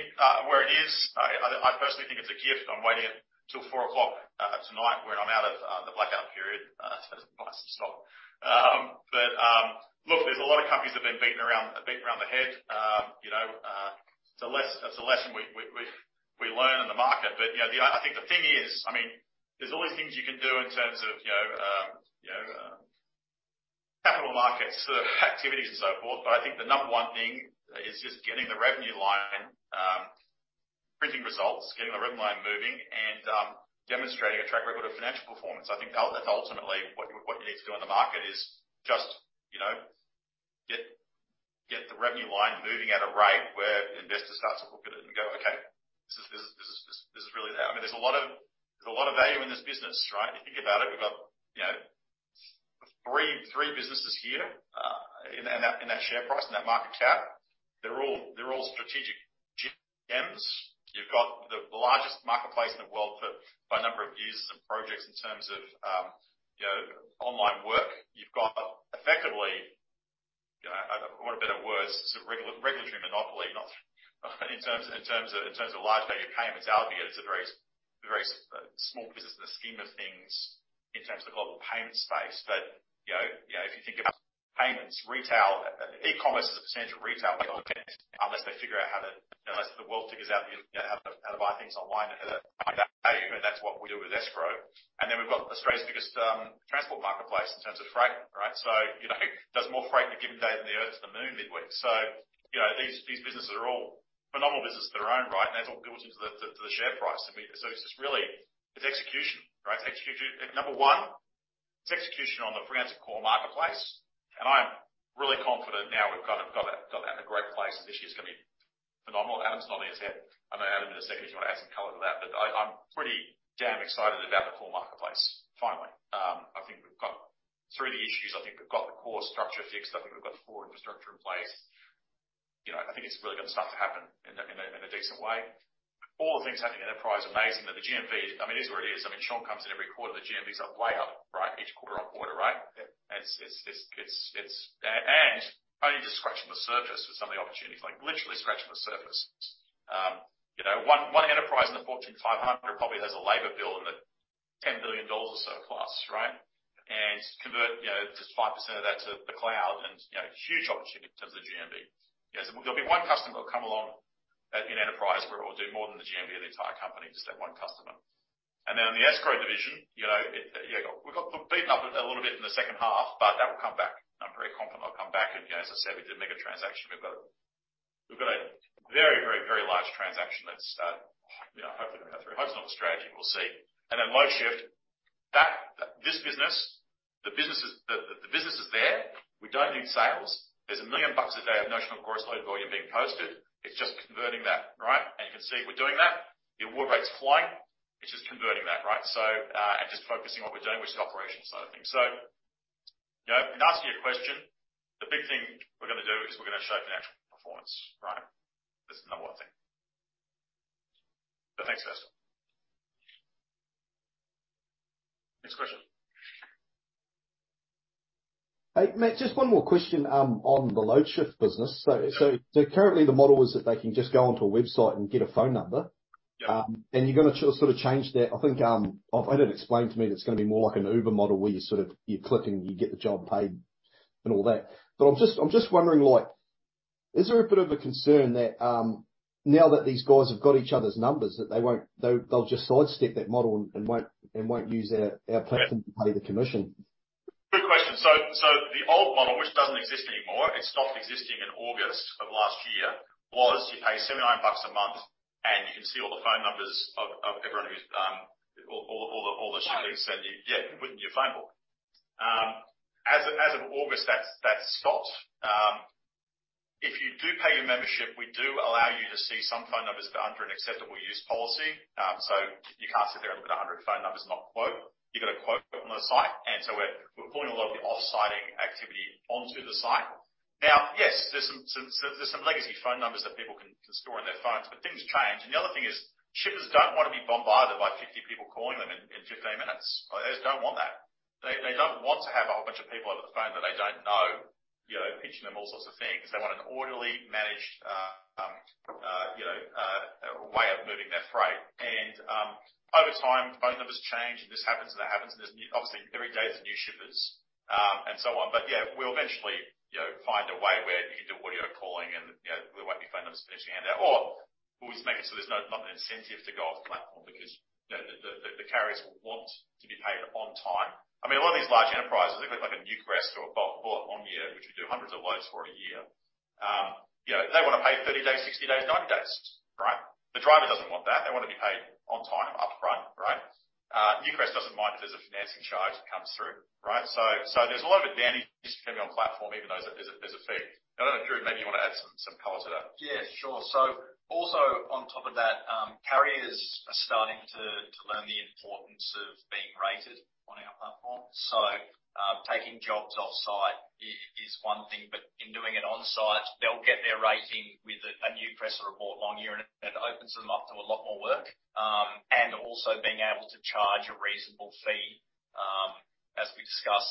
where it is. I personally think it's a gift. I'm waiting until 4 o'clock tonight, when I'm out of the blackout period to buy some stock. Look, there's a lot of companies that have been beaten around the head. You know, that's a lsson we learn in the market. you know, I think the thing is, I mean, there's always things you can do in terms of, you know, capital markets activities and so forth. I think the number 1 thing is just getting the revenue line, printing results, getting the revenue line moving and demonstrating a track record of financial performance. I think that's ultimately what you, what you need to do on the market, is just, you know, get the revenue line moving at a rate where investors start to look at it and go, "Okay. This is really it." I mean, there's a lot of value in this business, right? If you think about it, we've got, you know, three businesses here, in that, in that share price, in that market cap. They're all strategic gems. You've got the largest marketplace in the world for, by number of users and projects in terms of, you know, online work. You've got effectively, you know, I want a better words, it's a regulatory monopoly, not in terms of large value payments. Albeit it's a very small business in the scheme of things in terms of the global payment space. You know, if you think about payments, retail, e-commerce is a potential retail payment unless they figure out how to... You know, unless the world figures out how to buy things online and how to value, and that's what we do with Escrow. Then we've got Australia's biggest transport marketplace in terms of freight, right? You know, does more freight in a given day than the Earth to the Moon did week. You know, these businesses are all phenomenal businesses of their own, right? That all builds into the share price. I mean, it's just really, it's execution, right? It's execution. At number one, it's execution on the Freelancer core marketplace. I'm really confident now we've got that in a great place, and this year's gonna be phenomenal. Adam's nodding his head. I know, Adam, in a second, do you wanna add some color to that? I'm pretty damn excited about the core marketplace, finally. I think we've got through the issues. I think we've got the core structure fixed. I think we've got the core infrastructure in place. You know, I think it's really gonna start to happen in a, in a, in a decent way. All the things happening in enterprise are amazing. That the GMV, I mean, is where it is. I mean, Shaun McMeeking comes in every quarter, the GMVs are way up, right, each quarter-on-quarter, right? It's only just scratching the surface with some of the opportunities, like literally scratching the surface. You know, one enterprise in the Fortune 500 probably has a labor bill in the $10 billion or so plus, right? Convert, you know, just 5% of that to the cloud and, you know, huge opportunity in terms of the GMV. You know, there'll be one customer that'll come along at, in enterprise where it'll do more than the GMV of the entire company, just that one customer. On the Escrow division, you know, we got beaten up a little bit in the second half, but that will come back. I'm very confident that'll come back. You know, as I said, we did make a transaction. We've got a very, very, very large transaction that's, you know, hopefully gonna go through. Hope it's not strategic. We'll see. Loadshift, this business is there. We don't need sales. There's $1 million a day of notional gross load volume being posted. It's just converting that, right? You can see we're doing that. The award rate's flying. It's just converting that, right? Just focusing on what we're doing, which is the operations side of things. you know, and to answer your question, the big thing we're gonna do is we're gonna show financial performance, right? That's the number one thing. Thanks, Vesta. Next question. Hey, Matt, just one more question on the Loadshift business. Currently the model is that they can just go onto a website and get a phone number. Yeah. You're gonna sort of change that. I think, I've had it explained to me that it's gonna be more like an Uber model, where you sort of, you click and you get the job paid and all that. I'm just wondering, like, is there a bit of a concern that now that these guys have got each other's numbers, that they'll just sidestep that model and won't use our platform to pay the commission? Good question. The old model, which doesn't exist anymore, it stopped existing in August of last year, was you pay $79 a month, and you can see all the phone numbers of everyone who's all the shooters. Right. You, yeah, put it in your phone book. As of August, that's stopped. If you do pay your membership, we do allow you to see some phone numbers, but under an acceptable use policy. You can't sit there and look at 100 phone numbers and not quote. You've got to quote from the site. We're pulling a lot of the off-siting activity onto the site. Now, yes, there's some legacy phone numbers that people can store in their phones, things change. The other thing is, shippers don't want to be bombarded by 50 people calling them in 15 minutes. They just don't want that. They don't want to have a whole bunch of people on the phone that they don't know, you know, pitching them all sorts of things. They want an orderly managed, you know, way of moving their freight. Over time, phone numbers change, and this happens and that happens. Obviously every day there's new shippers, and so on. Yeah, we'll eventually, you know, find a way where you can do audio calling and, you know, we won't be phone number smashing handout. We'll just make it so there's not an incentive to go off the platform because the carriers will want to be paid on time. I mean, a lot of these large enterprises, if we have like a Newcrest or a Boart Longyear, which we do hundreds of loads for a year, you know, they want to pay 30 days, 60 days, 90 days, right? The driver doesn't want that. They want to be paid on time, upfront, right? Newcrest doesn't mind if there's a financing charge that comes through, right? So there's a lot of advantage to them being on platform, even though there's a fee. I don't know, Drew, maybe you want to add some color to that. Yeah, sure. Also on top of that, carriers are starting to learn the importance of being rated on our platform. Taking jobs off-site is one thing, but in doing it on-site, they'll get their rating with a Newcrest or a Boart Longyear, and it opens them up to a lot more work. Also being able to charge a reasonable fee. As we've discussed,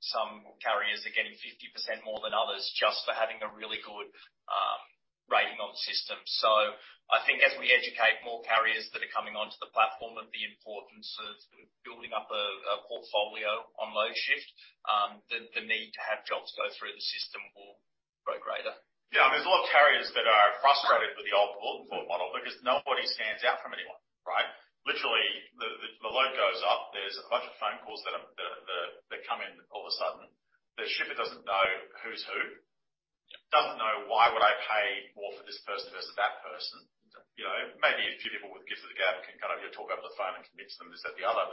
some carriers are getting 50% more than others just for having a really good rating on system. I think as we educate more carriers that are coming onto the platform of the importance of building up a portfolio on Loadshift, the need to have jobs go through the system will grow greater. Yeah. I mean, there's a lot of carriers that are frustrated with the old bulletin board model because nobody stands out from anyone, right? Literally, the load goes up. There's a bunch of phone calls that come in all of a sudden. The shipper doesn't know who's who. Doesn't know why would I pay more for this person versus that person. You know, maybe a few people with gifts of the gab can kind of, you know, talk over the phone and convince them this, that, and the other.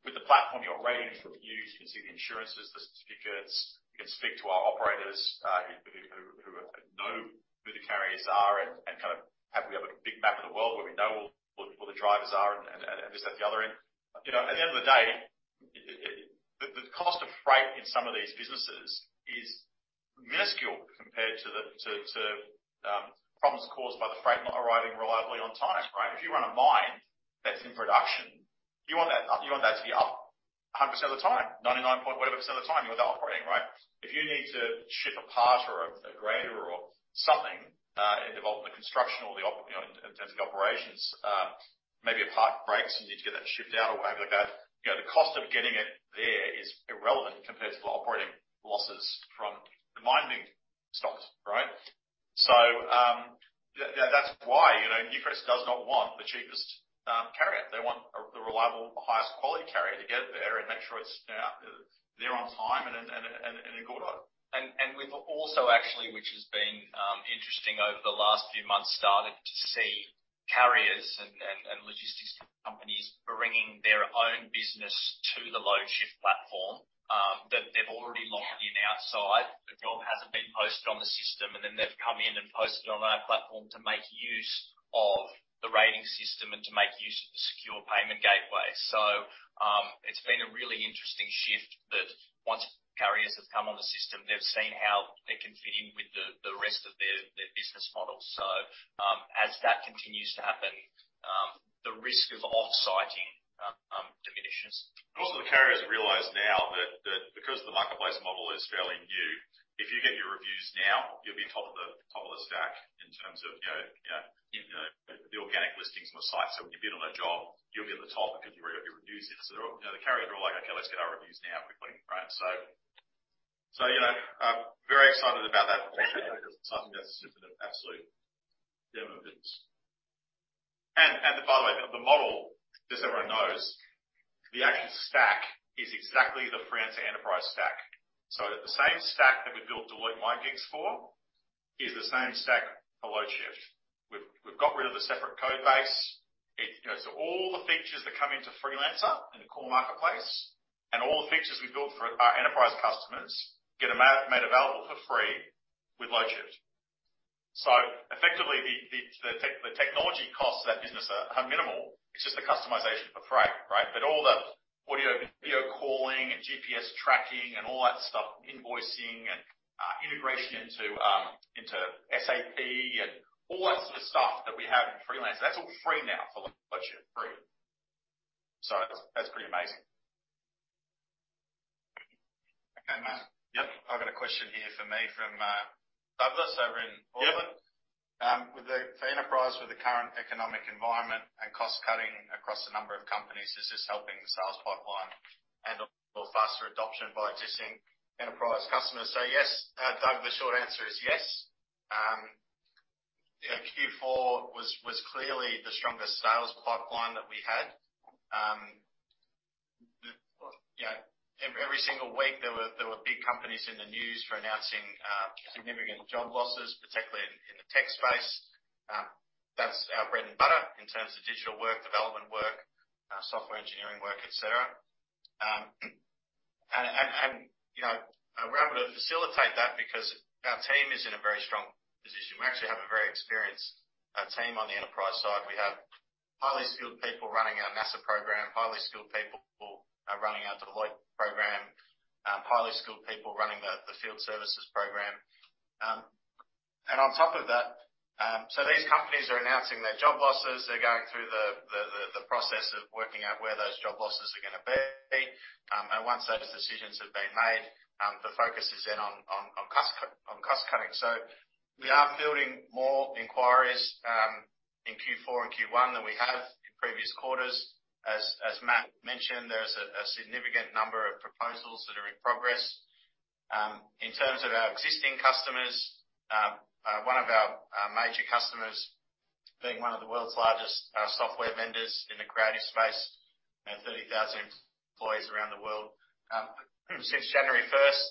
With the platform, you've got ratings, reviews, you can see the insurances, the certificates. You can speak to our operators, who know who the carriers are and We have a big map of the world where we know all where the drivers are and this, that, the other end. You know, at the end of the day, the cost of freight in some of these businesses is minuscule compared to problems caused by the freight not arriving reliably on time, right? If you run a mine that's in production, you want that up, you want that to be up 100% of the time, 99 point whatever% of the time, you want that operating, right? If you need to ship a part or a grader or something, involved in the construction or you know, in terms of operations, maybe a part breaks and you need to get that shipped out or whatever like that. You know, the cost of getting it there is irrelevant compared to the operating losses from the mining stops, right? Yeah, that's why, you know, Newcrest does not want the cheapest carrier. They want a, the reliable, the highest quality carrier to get there and make sure it's, you know, there on time and in a good order. We've also actually, which has been interesting over the last few months, started to see carriers and logistics companies bringing their own business to the Loadshift platform that they've already locked in outside. The job hasn't been posted on the system, and then they've come in and posted it on our platform to make use of the rating system and to make use of the secure payment gateway. It's been a really interesting shift that once carriers have come on the system, they've seen how they can fit in with the rest of their business model. As that continues to happen, the risk of off-siting diminishes. Also the carriers realize now that because the marketplace model is fairly new, if you get your reviews now, you'll be top of the stack in terms of, you know, in, you know, the organic listings on the site. When you bid on a job, you'll be at the top because you've already got your reviews in. They're all, you know, the carriers are all like, "Okay, let's get our reviews now quickly." Right? You know, I'm very excited about that potential because it's something that's just an absolute game of wins. By the way, the model, just so everyone knows, the actual stack is exactly the Freelancer enterprise stack. The same stack that we built Deloitte MyGigs for is the same stack for Loadshift. We've got rid of the separate code base. It, you know, all the features that come into Freelancer in the core marketplace and all the features we built for our enterprise customers, get them made available for free with Loadshift. Effectively the technology costs to that business are minimal. It's just the customization for freight, right? All the audio-video calling and GPS tracking and all that stuff, invoicing and integration into SAP and all that sort of stuff that we have in Freelancer, that's all free now for Loadshift. Free. That's pretty amazing. Okay, Matt. Yep. I've got a question here for me from Douglas over in Portland. Yep. With the for enterprise, with the current economic environment and cost cutting across a number of companies, is this helping the sales pipeline and or faster adoption by existing enterprise customers? Yes, Doug, the short answer is yes. You know, Q4 was clearly the strongest sales pipeline that we had. The, you know, every single week, there were big companies in the news for announcing significant job losses, particularly in the tech space. That's our bread and butter in terms of digital work, development work, software engineering work, et cetera. You know, we're able to facilitate that because our team is in a very strong position. We actually have a very experienced team on the enterprise side. We have highly skilled people running our NASA program, highly skilled people who are running our Deloitte program, highly skilled people running the field services program. And on top of that, these companies are announcing their job losses. They're going through the process of working out where those job losses are gonna be, and once those decisions have been made, the focus is then on cost cutting. We are fielding more inquiries in Q4 and Q1 than we have in previous quarters. As Matt mentioned, there's a significant number of proposals that are in progress. In terms of our existing customers, one of our major customers, being one of the world's largest software vendors in the creative space, you know, 30,000 employees around the world. Since January first,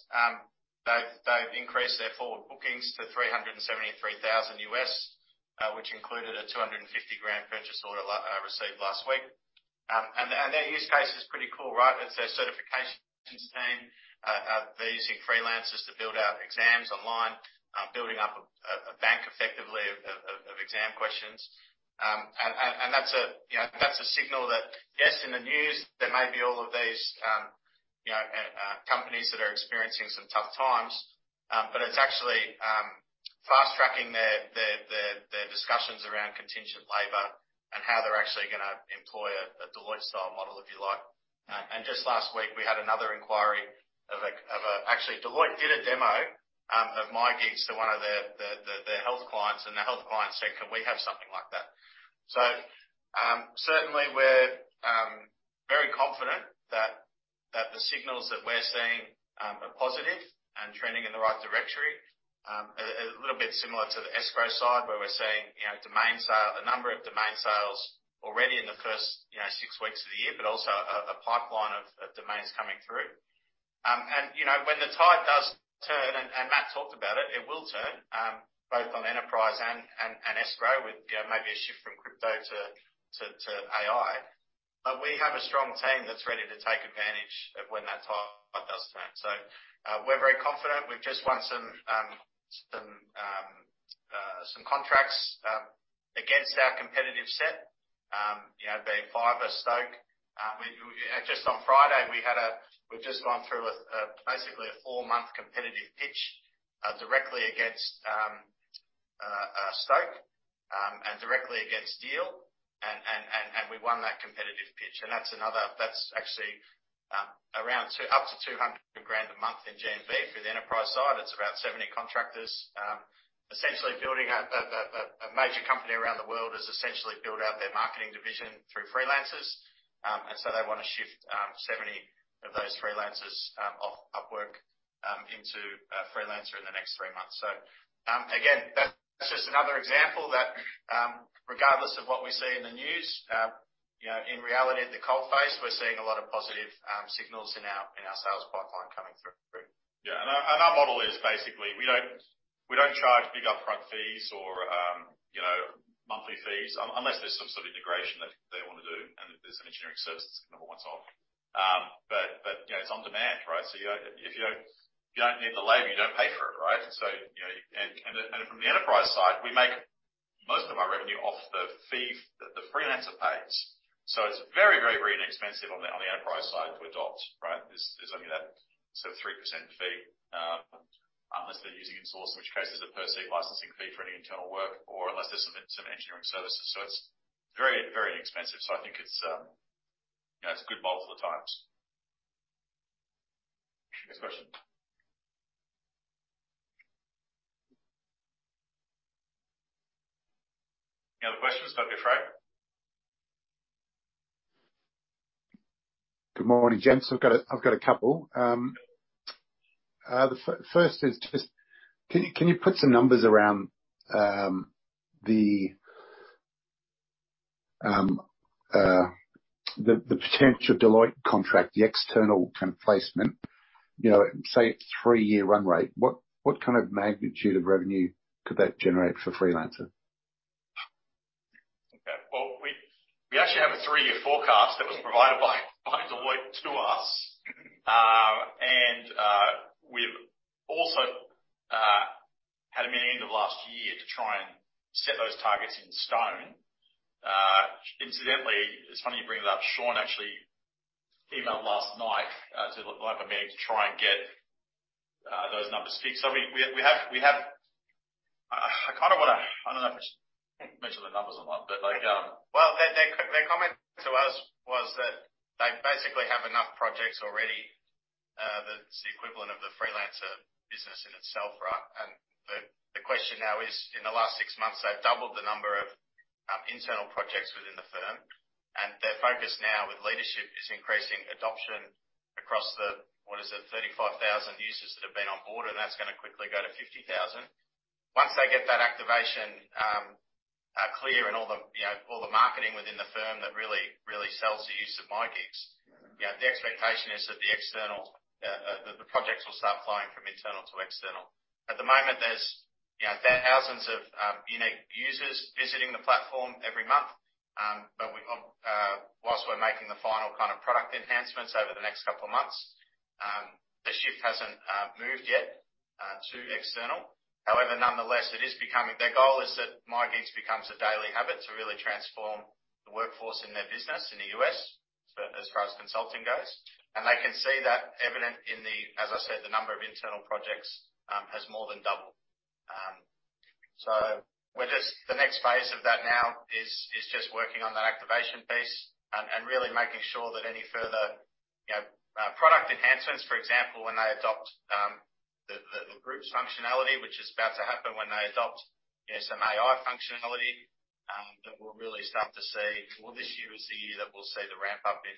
they've increased their forward bookings to $373,000, which included a $250,000 purchase order received last week. Their use case is pretty cool, right? It's their certification team, they're using freelancers to build out exams online, building up a bank effectively of exam questions. That's a, you know, that's a signal that, yes, in the news there may be all of these, you know, companies that are experiencing some tough times, but it's actually fast-tracking their discussions around contingent labor and how they're actually gonna employ a Deloitte-style model, if you like. Just last week, we had another inquiry of a. Actually, Deloitte did a demo of MyGigs to one of their health clients, and the health client said, "Can we have something like that?" Certainly we're very confident that the signals that we're seeing are positive and trending in the right directory. A little bit similar to the escrow side, where we're seeing, you know, domain sale, a number of domain sales already in the first, you know, six weeks of the year, but also a pipeline of domains coming through. When the tide does turn, and Matt talked about it will turn, both on enterprise and escrow with, you know, maybe a shift from crypto to AI. We have a strong team that's ready to take advantage of when that tide does turn. We're very confident. We've just won some contracts against our competitive set, you know, be it Fiverr, Stoke. Just on Friday, we had a We've just gone through a basically a four-month competitive pitch directly against Stoke and directly against Deel, and we won that competitive pitch. That's actually around two, up to 200,000 a month in GMV for the enterprise side. It's about 70 contractors, essentially building a major company around the world has essentially built out their marketing division through freelancers. They wanna shift 70 of those freelancers off Upwork into Freelancer in the next three months. Again, that's just another example that, regardless of what we see in the news, you know, in reality at the coalface, we're seeing a lot of positive signals in our sales pipeline coming through. Our model is basically, we don't charge big upfront fees or, you know, monthly fees unless there's some sort of integration that they want to do, and there's an engineering service that's a number once off. You know, it's on demand, right? You don't need the labor, you don't pay for it, right? You know, from the enterprise side, we make most of our revenue off the fee the Freelancer pays. It's very inexpensive on the enterprise side to adopt, right? There's only that sort of 3% fee, unless they're using insource, in which case there's a per seat licensing fee for any internal work, or unless there's some engineering services. It's very inexpensive. I think it's, you know, it's a good model for the times. Next question. Any other questions? Don't be afraid. Good morning, gents. I've got a couple. First is just, can you put some numbers around the potential Deloitte contract, the external kind of placement? You know, say its three-year run rate, what kind of magnitude of revenue could that generate for Freelancer? Well, we actually have a 3-year forecast that was provided by Deloitte to us. We've also had a meeting of last year to try and set those targets in stone. Incidentally, it's funny you bring it up. Sean actually emailed last night to like a meeting to try and get those numbers. We have. I kinda wanna, I don't know if I should mention the numbers or not, but like. Well, their comment to us was that they basically have enough projects already, that's the equivalent of the Freelancer business in itself, right? The question now is, in the last 6 months, they've doubled the number of internal projects within the firm. Their focus now with leadership is increasing adoption across the, what is it, 35,000 users that have been on board, and that's gonna quickly go to 50,000. Once they get that activation clear and all the, you know, all the marketing within the firm that really sells the use of MyGigs-Yeah, the expectation is that the external projects will start flowing from internal to external. At the moment, there's, you know, there are thousands of unique users visiting the platform every month. We've got. whilst we're making the final kind of product enhancements over the next couple of months, the shift hasn't moved yet to external. However, nonetheless, their goal is that MyGigs becomes a daily habit to really transform the workforce in their business in the US, so as far as consulting goes. They can see that evident in the, as I said, the number of internal projects has more than doubled. The next phase of that now is just working on that activation piece and really making sure that any further, you know, product enhancements, for example, when they adopt the groups functionality, which is about to happen when they adopt, you know, some AI functionality, then we'll really start to see... Well, this year is the year that we'll see the ramp-up in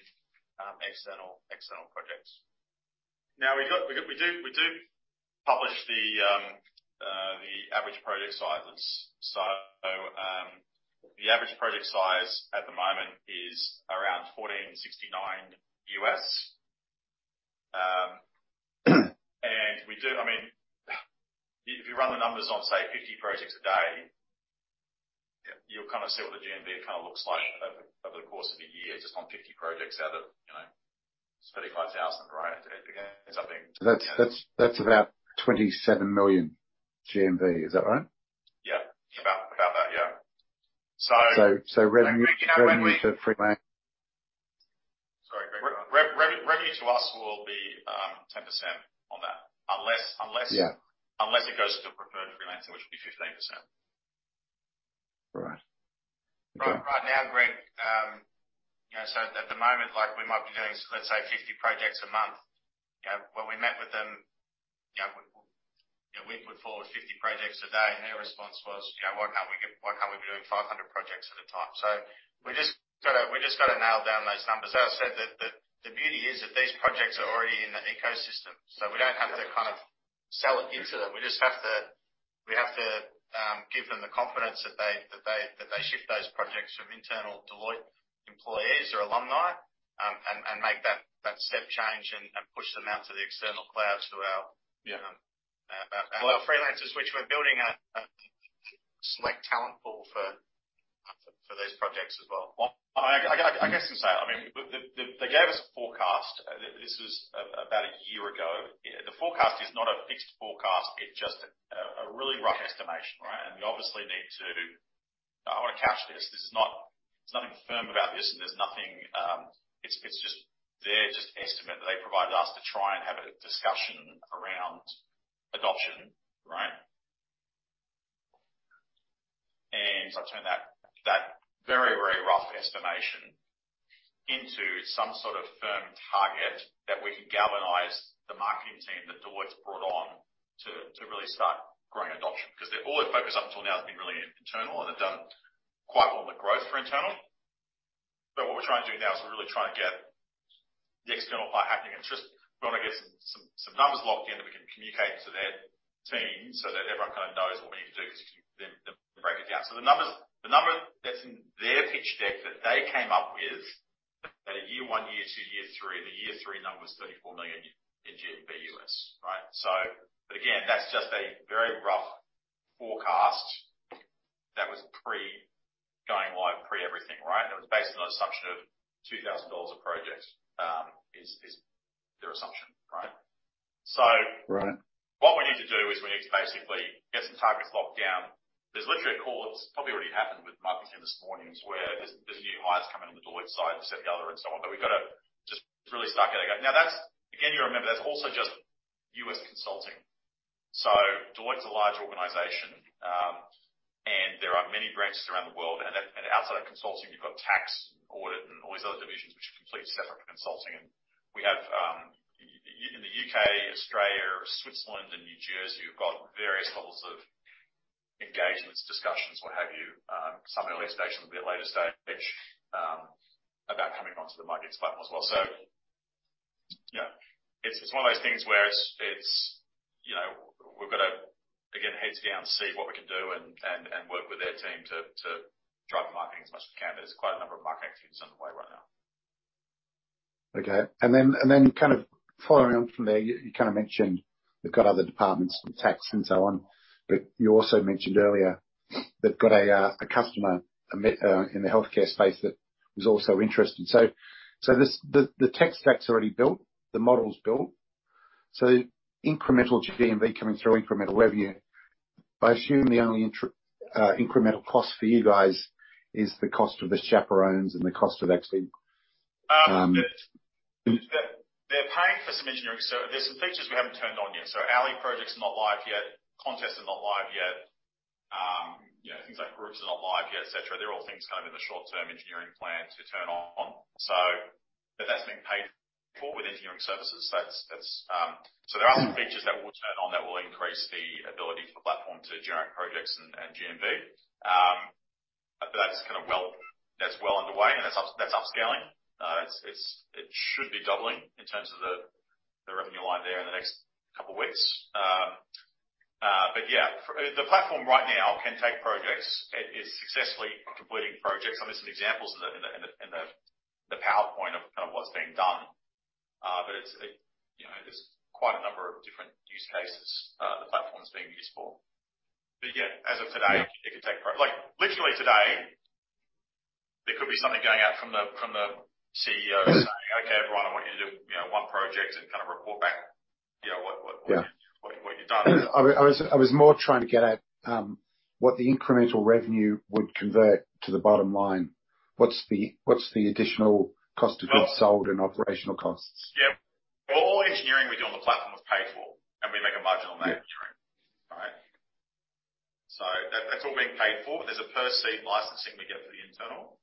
external projects. We got, we do publish the average project sizes. The average project size at the moment is around $1,469. I mean, if you run the numbers on, say, 50 projects a day, you'll kinda see what the GMV kinda looks like over the course of a year, just on 50 projects out of, you know, 35,000, right? It's something- That's about $27 million GMV. Is that right? Yeah. About that, yeah. So, so revenue- You know, Revenue for Freelancer. Sorry, Greg. Revenue to us will be 10% on that. Unless. Yeah. Unless it goes to preferred freelancing, which would be 15%. Right. Right, right now, Greg, you know, at the moment, like, we might be doing, let's say, 50 projects a month. You know, when we met with them, you know, we put forward 50 projects a day. Their response was, "You know, why can't we be doing 500 projects at a time?" We just gotta nail down those numbers. As I said, the beauty is that these projects are already in the ecosystem, we don't have to kind of sell it into them. We just have to give them the confidence that they shift those projects from internal Deloitte employees or alumni, and make that step change and push them out to the external cloud, to our- Yeah. You know, our freelancers, which we're building a select talent pool for those projects as well. Well, I guess I'll say, I mean, they gave us a forecast. This was about 1 year ago. The forecast is not a fixed forecast, it's just a really rough estimation, right? We obviously need to. I want to couch this. This is not, there's nothing firm about this, and there's nothing. It's just their estimate that they provided us to try and have a discussion around adoption, right? To turn that very rough estimation into some sort of firm target that we can galvanize the marketing team that Deloitte's brought on to really start growing adoption. Because all their focus up till now has been really internal, and they've done quite well with growth for internal. What we're trying to do now is we're really trying to get the external part happening. Just we want to get some numbers locked in that we can communicate to their team so that everyone kinda knows what we need to do to keep them breaking down. The number that's in their pitch deck that they came up with, that at year one, year two, year three, the year three number was $34 million in GMV US. Right. Again, that's just a very rough forecast that was pre-going live, pre-everything, right? That was based on the assumption of $2,000 a project, is their assumption, right? Right. What we need to do is we need to basically get some targets locked down. There's literally a call that's probably already happened with Mike this morning, where there's new hires coming on the Deloitte side, Seth Gallagher and so on. We've gotta just really start getting... Now, that's, again, you remember, that's also just U.S. consulting. Deloitte's a large organization, and there are many branches around the world. Outside of consulting, you've got tax, audit, and all these other divisions which are completely separate from consulting. We have in the U.K., Australia, Switzerland, and New Jersey, we've got various levels of engagements, discussions, what have you, some earlier stage, some a bit later stage, about coming onto the MyGigs platform as well. You know, it's one of those things where it's, you know, we've gotta, again, heads down, see what we can do and work with their team to drive the marketing as much as we can. There's quite a number of marketing activities underway right now. Okay. Kind of following on from there, you kinda mentioned they've got other departments, tax and so on, but you also mentioned earlier they've got a customer in the healthcare space that was also interested. This, the tech stack's already built, the model's built. Incremental GMV coming through incremental revenue. I assume the only incremental cost for you guys is the cost of the chaperones and the cost of actually. They're paying for some engineering. There's some features we haven't turned on yet. Alley projects are not live yet. Contests are not live yet. You know, things like groups are not live yet, et cetera. They're all things kind of in the short term engineering plan to turn on. That's being paid for with engineering services. That's. There are some features that we'll turn on that will increase the ability for the platform to generate projects and GMV. That's kinda well, that's well underway and that's upscaling. It's, it should be doubling in terms of the revenue line there in the next couple of weeks. Yeah, the platform right now can take projects. It is successfully completing projects. I mean, there's some examples in the PowerPoint of, kind of, what's being done. It's, you know, there's quite a number of different use cases the platform is being used for. Yeah, as of today, it can take Like, literally today, there could be something going out from the CEO saying, "Okay, everyone, I want you to do, you know, one project and kinda report back, you know, what. Yeah. What you've done. I was more trying to get at what the incremental revenue would convert to the bottom line. What's the additional cost of goods sold and operational costs? Well, all the engineering we do on the platform is paid for. We make a margin on that engineering. Right? That's all being paid for. There's a per seat licensing we get for the internal.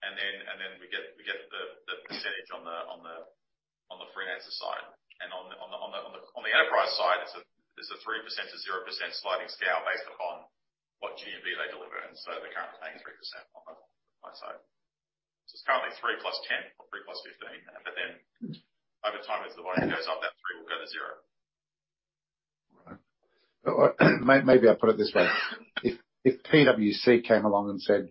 Then we get the percentage on the freelancer side. On the enterprise side, it's a 3% to 0% sliding scale based upon what GMV they deliver. They're currently paying 3% on that side. It's currently 3 + 10 or 3 + 15. Over time, as the volume goes up, that 3 will go to 0. All right. Maybe I'll put it this way. If PwC came along and said...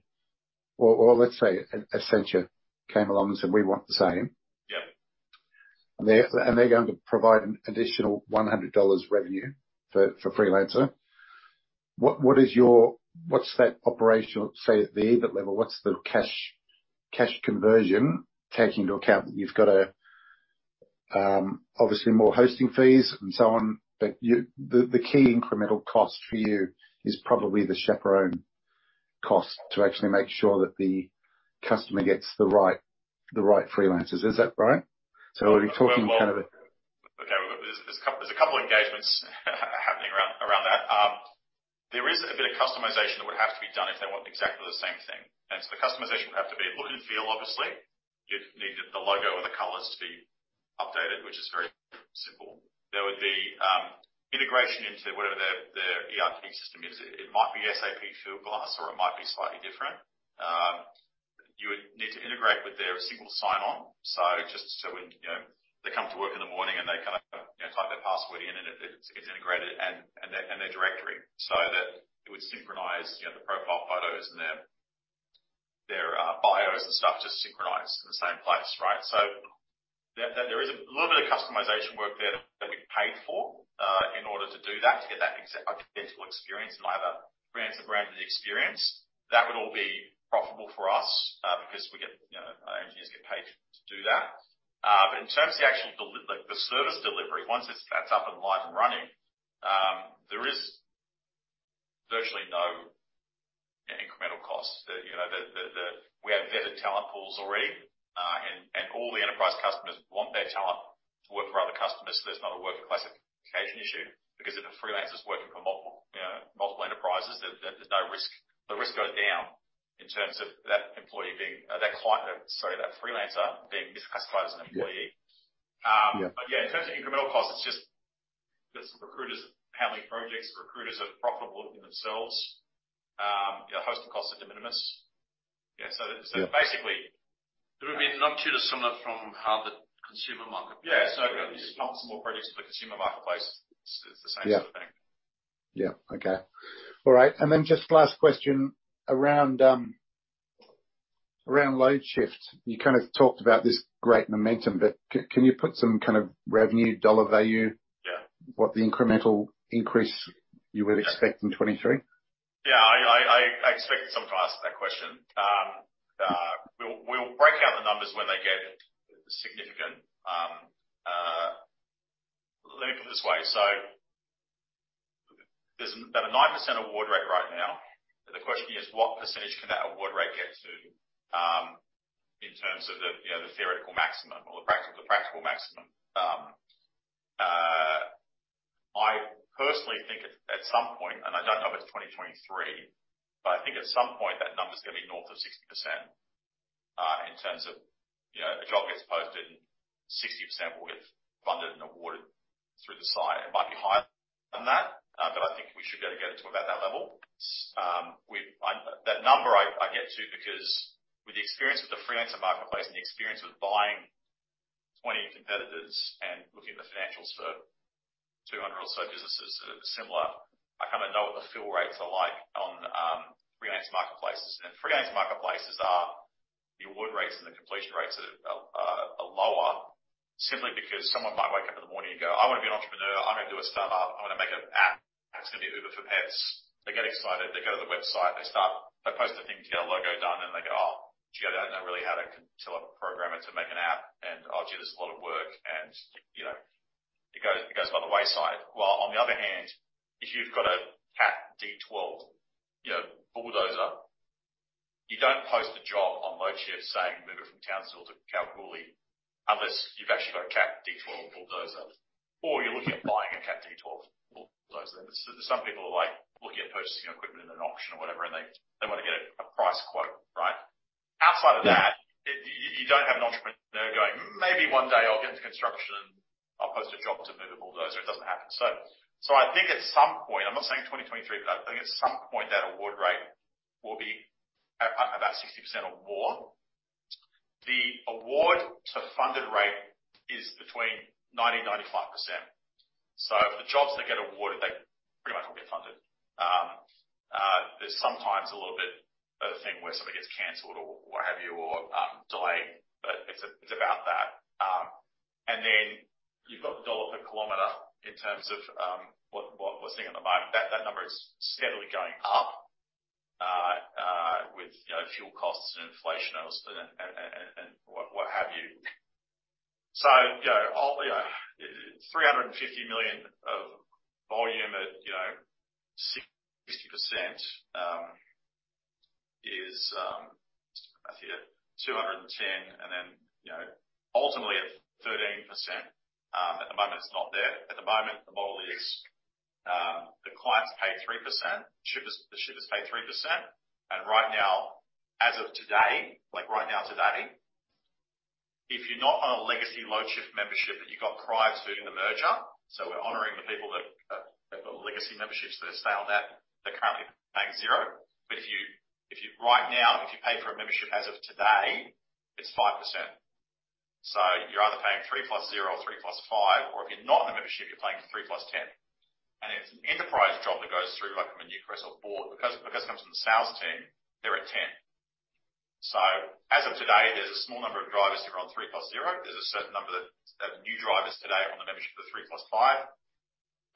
Or let's say Accenture came along and said, "We want the same. Yeah. They're going to provide an additional $100 revenue for Freelancer. What is your... What's that operational, say, at the EBIT level, what's the cash conversion, taking into account that you've got a, obviously more hosting fees and so on, but the key incremental cost for you is probably the chaperone cost to actually make sure that the customer gets the right freelancers. Is that right? Okay. There's a couple of engagements happening around that. There is a bit of customization that would have to be done if they want exactly the same thing. The customization would have to be look and feel, obviously. You'd need the logo and the colors to be updated, which is very simple. There would be integration into whatever their ERP system is. It might be SAP Fieldglass or it might be slightly different. You would need to integrate with their single sign-on, so just so when, you know, they come to work in the morning and they kinda, you know, type their password in and it gets integrated and their directory, so that it would synchronize, you know, the profile photos and their bios and stuff just synchronized in the same place, right? There is a little bit of customization work there that would be paid for in order to do that, to get that exact potential experience and have a Freelancer branded experience. That would all be profitable for us, because we get, you know, our engineers get paid to do that. In terms of the actual service delivery, once it's, that's up and live and running, there is virtually no incremental cost. You know, we have vetted talent pools already. All the enterprise customers want their talent to work for other customers, so there's not a work classification issue. If a Freelancer is working for multiple, you know, multiple enterprises, there's no risk. The risk goes down in terms of that employee being, that client, sorry, that freelancer being misclassified as an employee. Yeah. In terms of incremental costs, it's just there's some recruiters handling projects. Recruiters are profitable in themselves. Hosting costs are de minimis. It would be not too dissimilar from how the consumer market- Yeah. Multiple projects for the consumer marketplace is the same sort of thing. Yeah. Yeah. Okay. All right. Just last question around Loadshift. You kind of talked about this great momentum, can you put some kind of revenue dollar value- Yeah. What the incremental increase you would expect in 2023? I expected someone to ask that question. We'll break out the numbers when they get significant. Let me put it this way. There's about a 9% award rate right now. The question is what percentage can that award rate get to, in terms of the, you know, the theoretical maximum or the practical maximum? I personally think at some point, and I don't know if it's 2023, I think at some point that number is gonna be north of 60%, in terms of, you know, a job gets posted and 60% will get funded and awarded through the site. It might be higher than that, I think we should be able to get it to about that level. I, that number I get to because with the experience with the Freelancer marketplace and the experience with buying 20 competitors and looking at the financials for 200 or so businesses that are similar, I kinda know what the fill rates are like on freelance marketplaces. Freelance marketplaces are the award rates and the completion rates are lower simply because someone might wake up in the morning and go, "I wanna be an entrepreneur. I'm gonna do a startup. I'm gonna make an app, and it's gonna be Uber for pets." They get excited, they go to the website, they start, they post the thing to get a logo done, and they go, "Oh, gee, I don't know really how to tell a programmer to make an app," and, "Oh, gee, this is a lot of work." You know, it goes by the wayside. While on the other hand, if you've got a Cat D12, you know, bulldozer, you don't post a job on Loadshift saying, "Move it from Townsville to Kalgoorlie," unless you've actually got a Cat D12 bulldozer or you're looking at buying a Cat D12 bulldozer. There's some people who are like looking at purchasing equipment in an auction or whatever, and they wanna get a price quote, right? Outside of that, you don't have an entrepreneur going, "Maybe one day I'll get into construction. I'll post a job to move a bulldozer." It doesn't happen. I think at some point, I'm not saying 2023, but I think at some point that award rate will be 60% award. The award to funded rate is between 90% and 95%. The jobs that get awarded, they pretty much all get funded. There's sometimes a little bit of a thing where something gets canceled or what have you, or delayed, but it's about that. You've got the AUD per kilometer in terms of what we're seeing at the moment. That number is steadily going up with, you know, fuel costs and inflation obviously, and what have you. You know, you know, $350 million of volume at, you know, 60% is, let's see, at 210, you know, ultimately at 13% at the moment it's not there. At the moment, the model is, the clients pay 3%, shippers, the shippers pay 3%. Right now, as of today, like right now today, if you're not on a legacy Loadshift membership that you got prior to doing the merger, we're honoring the people that have got legacy memberships that are staying on that, they're currently paying 0. If you right now, if you pay for a membership as of today, it's 5%. You're either paying 3 + 0 or 3 + 5, or if you're not on a membership, you're paying 3 + 10. If it's an enterprise job that goes through, like from a Newcrest or Boart, because if it comes from the sales team, they're at 10. As of today, there's a small number of drivers that are on 3 + 0. There's a certain number that, of new drivers today are on the membership of 3 + 5.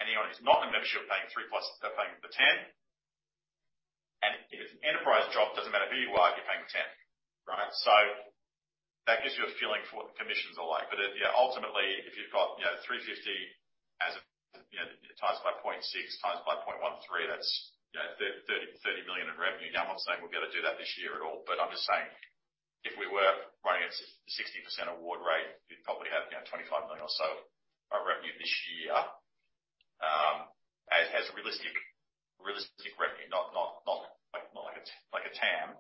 Anyone who's not on the membership paying 3+, they're paying the 10. If it's an enterprise job, doesn't matter who you are, you're paying the 10. Right? That gives you a feeling for what the commissions are like. Ultimately, if you've got, you know, $350 million as of, you know, times by 0.16, times by 0.13, that's, you know, $30 million in revenue. I'm not saying we'll be able to do that this year at all, I'm just saying if we were running at 60% award rate, we'd probably have, you know, $25 million or so of revenue this year. As a realistic revenue, not like a TAM.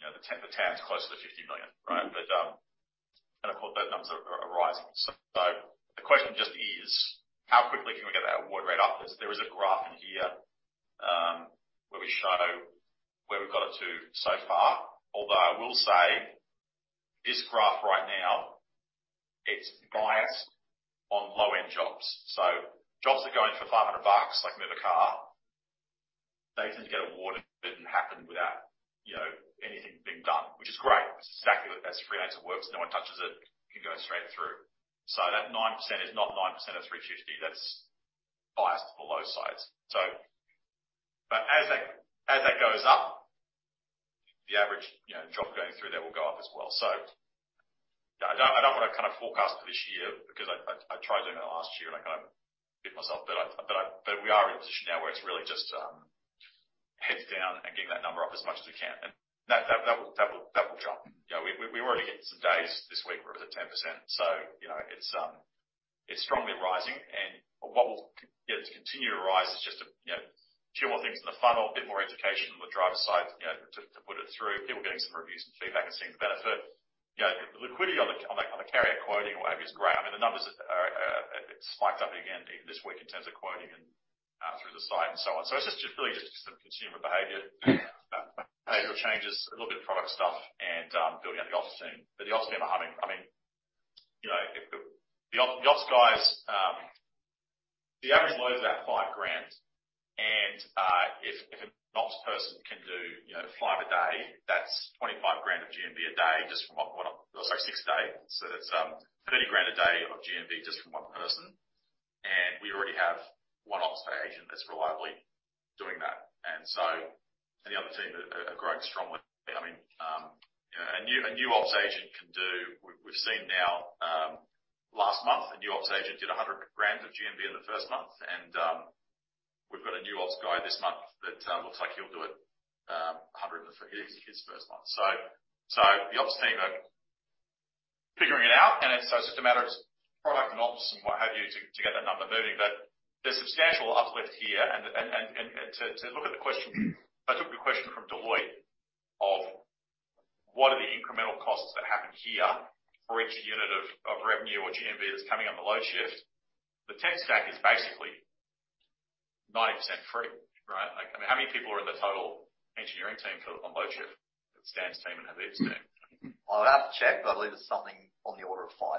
You know, the TAM's closer to $50 million, right? Of course, those numbers are rising. The question just is how quickly can we get that award rate up? 'Cause there is a graph in here, where we show where we've got it to so far. Although I will say this graph right now, it's biased on low-end jobs. Jobs that go in for $500, like move a car, they seem to get awarded and happen without, you know, anything being done, which is great. Exactly, that's Freelancer works. No one touches it. It can go straight through. That 9% is not 9% of $350. That's biased for low sides. As that goes up, the average, you know, job going through there will go up as well. I don't want to kind of forecast for this year because I tried doing that last year, and I kind of bit myself. We are in a position now where it's really just heads down and getting that number up as much as we can. That will jump. You know, we're already getting some days this week we're up at 10%. You know, it's strongly rising. What will you know, just continue to rise is just a few more things in the funnel, a bit more education on the driver side, you know, to put it through. People are getting some reviews and feedback and seeing the benefit. You know, the liquidity on the carrier quoting and what have you is great. I mean, the numbers have spiked up again even this week in terms of quoting and through the site and so on. It's just really just some consumer behavior behavioral changes, a little bit of product stuff and building out the ops team. The ops team are humming. I mean, you know, if the ops guys, the average load is about 5,000 and if an ops person can do, you know, 5 a day, that's 25,000 of GMV a day. Or sorry, 6 a day. That's 30,000 of GMV a day just from 1 person. We already have 1 ops agent that's reliably doing that. The other team are growing strongly. We've seen now, last month, a new ops agent did 100,000 of GMV in the first month. We've got a new ops guy this month that looks like he'll do it, 100,000 in his first month. The ops team are figuring it out, and it's just a matter of product and ops and what have you to get that number moving. There's substantial uplift here and to look at the question, I took the question from Deloitte of what are the incremental costs that happen here for each unit of revenue or GMV that's coming on the Loadshift. The tech stack is basically 90% free, right? Like, I mean, how many people are in the total engineering team on Loadshift? Stan's team and Naveed's team. I'll have to check, but I believe it's something on the order of five.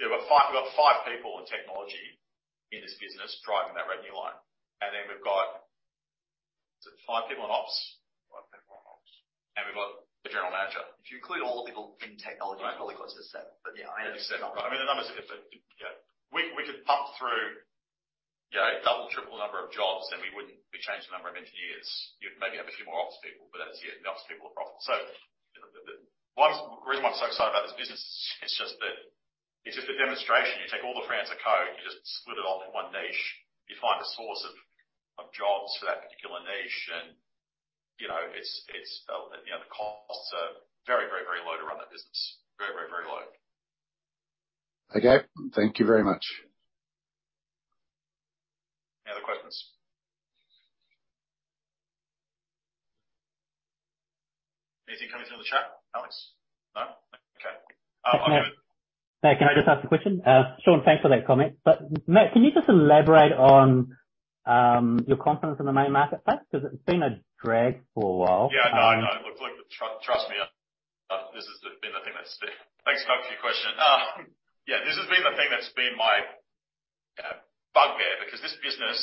Yeah. We've got five people in technology in this business driving that revenue line. Is it 5 people in ops? Five people in ops. We've got the general manager. If you include all the people in technology. Right. it's probably closer to seven. Yeah. Seven. I mean, the numbers are different. Yeah. We could pump through, you know, double, triple the number of jobs and we wouldn't be changing the number of engineers. You'd maybe have a few more ops people, but that's the ops people are profit. The one reason why I'm so excited about this business is just that it's just a demonstration. You take all the Freelancer code, you just split it off in one niche. You find a source of jobs for that particular niche and, you know, it's, you know, the costs are very, very, very low to run that business. Very, very, very low. Okay. Thank you very much. Any other questions? Anything coming through the chat, Alex? No. Can I just ask a question? Sean, thanks for that comment. Matt, can you just elaborate on your confidence in the main marketplace? 'Cause it's been a drag for a while. Yeah, I know. It looks like the trust me, this has been the thing that's been... Thanks, Matt, for your question. Yeah, this has been the thing that's been my bugbear because this business,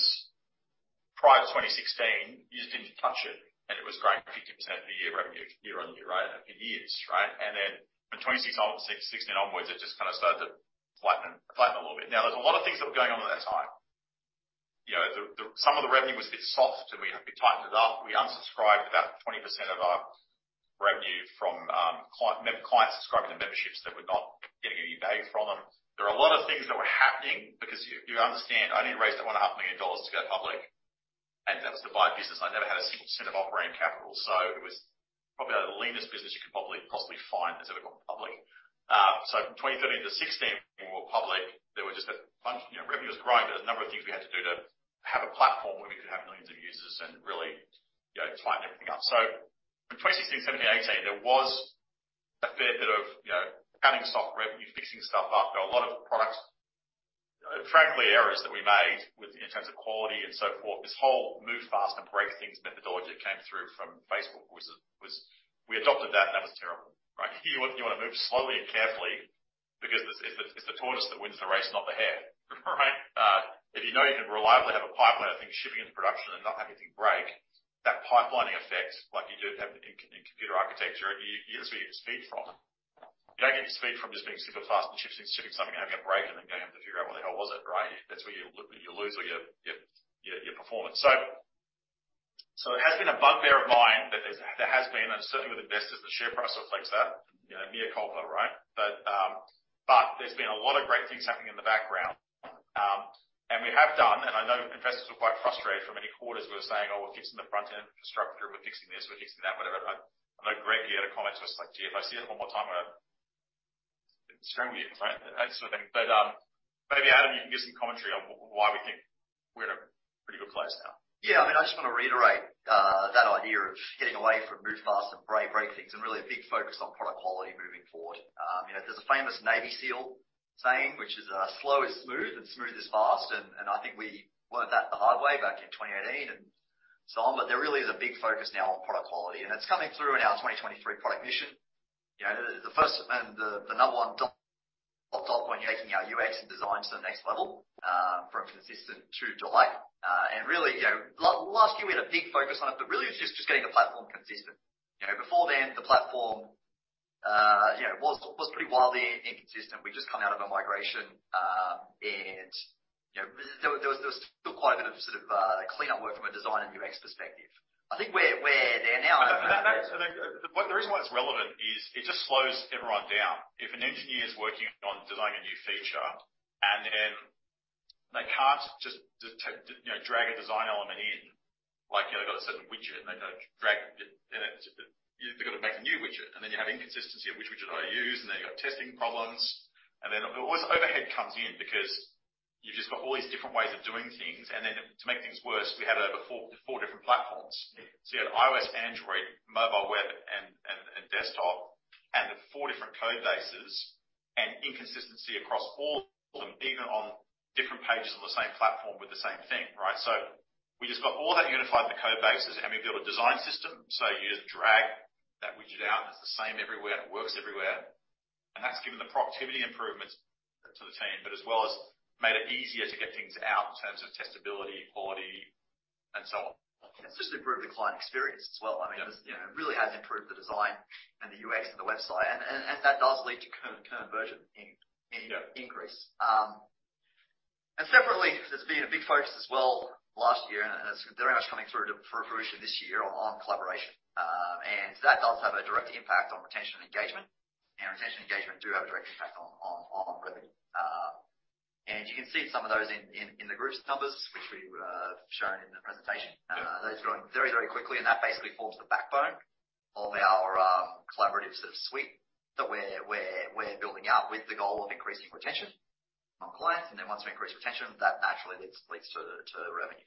prior to 2016, you didn't touch it, and it was growing 50% per year revenue year-over-year, right? For years, right? Then from 2016 onwards, it just kinda started to flatten a little bit. There's a lot of things that were going on at that time. You know, the Some of the revenue was a bit soft, so we tightened it up. We unsubscribed about 20% of our revenue from client subscribing to memberships that were not getting any value from them. There were a lot of things that were happening because you understand, I only raised that 1.5 million dollars to go public. That was to buy a business. I never had a single cent of operating capital. It was probably the leanest business you could possibly find that's ever gone public. From 2013 to 2016, when we went public, there were just a bunch, you know, revenue was growing. There were a number of things we had to do to have a platform where we could have millions of users and really, you know, tighten everything up. From 2016 to 2017, 2018, there was a fair bit of, you know, cutting stock revenue, fixing stuff up. There were a lot of products, frankly, errors that we made with, in terms of quality and so forth. This whole move fast and break things methodology that came through from Facebook was. We adopted that was terrible, right? You wanna move slowly and carefully because it's the tortoise that wins the race, not the hare, right? If you know you can reliably have a pipeline of things shipping into production and not have anything break, that pipelining effect, like you do have in computer architecture, you that's where you get speed from. You don't get speed from just being super fast and shipping something and having it break and then going and having to figure out what the hell was it, right? That's where you lose all your performance. It has been a bugbear of mine that there's, there has been, and certainly with investors, the share price reflects that, you know, mea culpa, right. There's been a lot of great things happening in the background. We have done, and I know investors were quite frustrated for many quarters, we were saying, "Oh, we're fixing the front end infrastructure. We're fixing this. We're fixing that." Whatever. I know Greg, he had a comment to us like, "Gee, if I see that one more time, I'm gonna scream at you." Right. That sort of thing. Maybe, Adam, you can give some commentary on why we think we're in a pretty good place now. Yeah. I mean, I just wanna reiterate that idea of getting away from move fast and break things and really a big focus on product quality moving forward. You know, there's a famous Navy SEAL saying, which is, "Slow is smooth and smooth is fast." I think we learned that the hard way back in 2018 and so on. There really is a big focus now on product quality, and it's coming through in our 2023 product mission. You know, the first and the number one top, of top when taking our UX and design to the next level, from consistent to delight. Really, you know, last year we had a big focus on it, but really it's just getting the platform consistent. You know, before then, the platform, you know, was pretty wildly inconsistent. We'd just come out of a migration, and, you know, there was still quite a bit of sort of cleanup work from a design and UX perspective. I think we're there now. That's. The reason why it's relevant is it just slows everyone down. If an engineer's working on designing a new feature and then they can't just de-take, you know, drag a design element in, like, you know, they've got a certain widget, and they don't drag it in it. They've got to make a new widget, and then you have inconsistency of which widget do I use, and then you've got testing problems. All this overhead comes in because you've just got all these different ways of doing things. To make things worse, we had over four different platforms. You had iOS, Android, mobile web and desktop and the four different code bases and inconsistency across all of them, even on different pages on the same platform with the same thing, right? We just got all that unified in the code bases, and we built a design system. You just drag that widget out, and it's the same everywhere, and it works everywhere. That's given the productivity improvements to the team, but as well as made it easier to get things out in terms of testability, quality, and so on. It's just improved the client experience as well. I mean- Yeah. this, you know, really has improved the design and the UX of the website. That does lead to con-conversion in- Yeah. -increase. Separately, there's been a big focus as well last year, and it's very much coming through to fruition this year on collaboration. That does have a direct impact on retention and engagement. Retention and engagement do have a direct impact on revenue. You can see some of those in the group's numbers, which we shown in the presentation. Yeah. That's growing very, very quickly, and that basically forms the backbone of our collaborative suite that we're building out with the goal of increasing retention on clients. Once we increase retention, that naturally leads to revenue.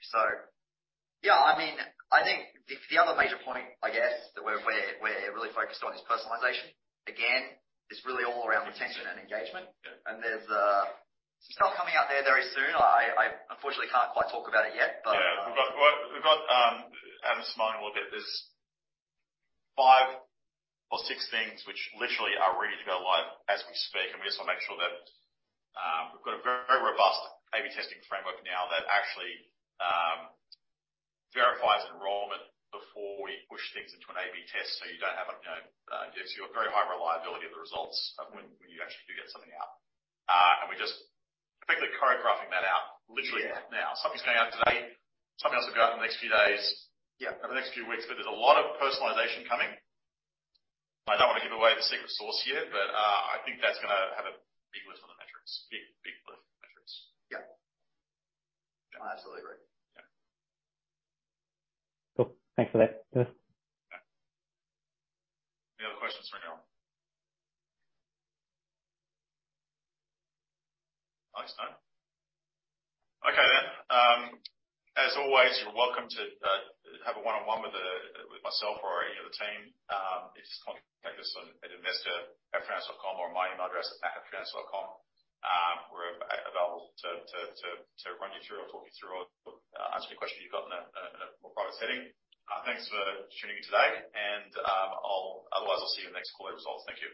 Yeah, I mean, I think the other major point, I guess, that we're really focused on is personalization. Again, it's really all around retention and engagement. Yeah. There's some stuff coming out there very soon. I unfortunately can't quite talk about it yet, but... Yeah. We've got. Adam's smiling a little bit. There's five or six things which literally are ready to go live as we speak, and we just want to make sure that. We've got a very robust A/B testing framework now that actually verifies enrollment before we push things into an A/B test. You don't have, you know, gives you a very high reliability of the results of when you actually do get something out. We're just perfectly choreographing that out. Yeah. Right now. Something's going out today. Something else will go out in the next few days. Yeah. Over the next few weeks. There's a lot of personalization coming. I don't want to give away the secret sauce yet, I think that's gonna have a big lift on the metrics. Big lift on the metrics. Yeah. I absolutely agree. Yeah. Cool. Thanks for that. Any other questions for now? Nice, no? Okay. As always, you're welcome to have a one-on-one with myself or any of the team. You just contact us at investor@freelancer.com or my email address Matt@freelancer.com. We're available to run you through or talk you through or answer any question you've got in a more private setting. Thanks for tuning in today. Otherwise, I'll see you in the next quarterly results. Thank you.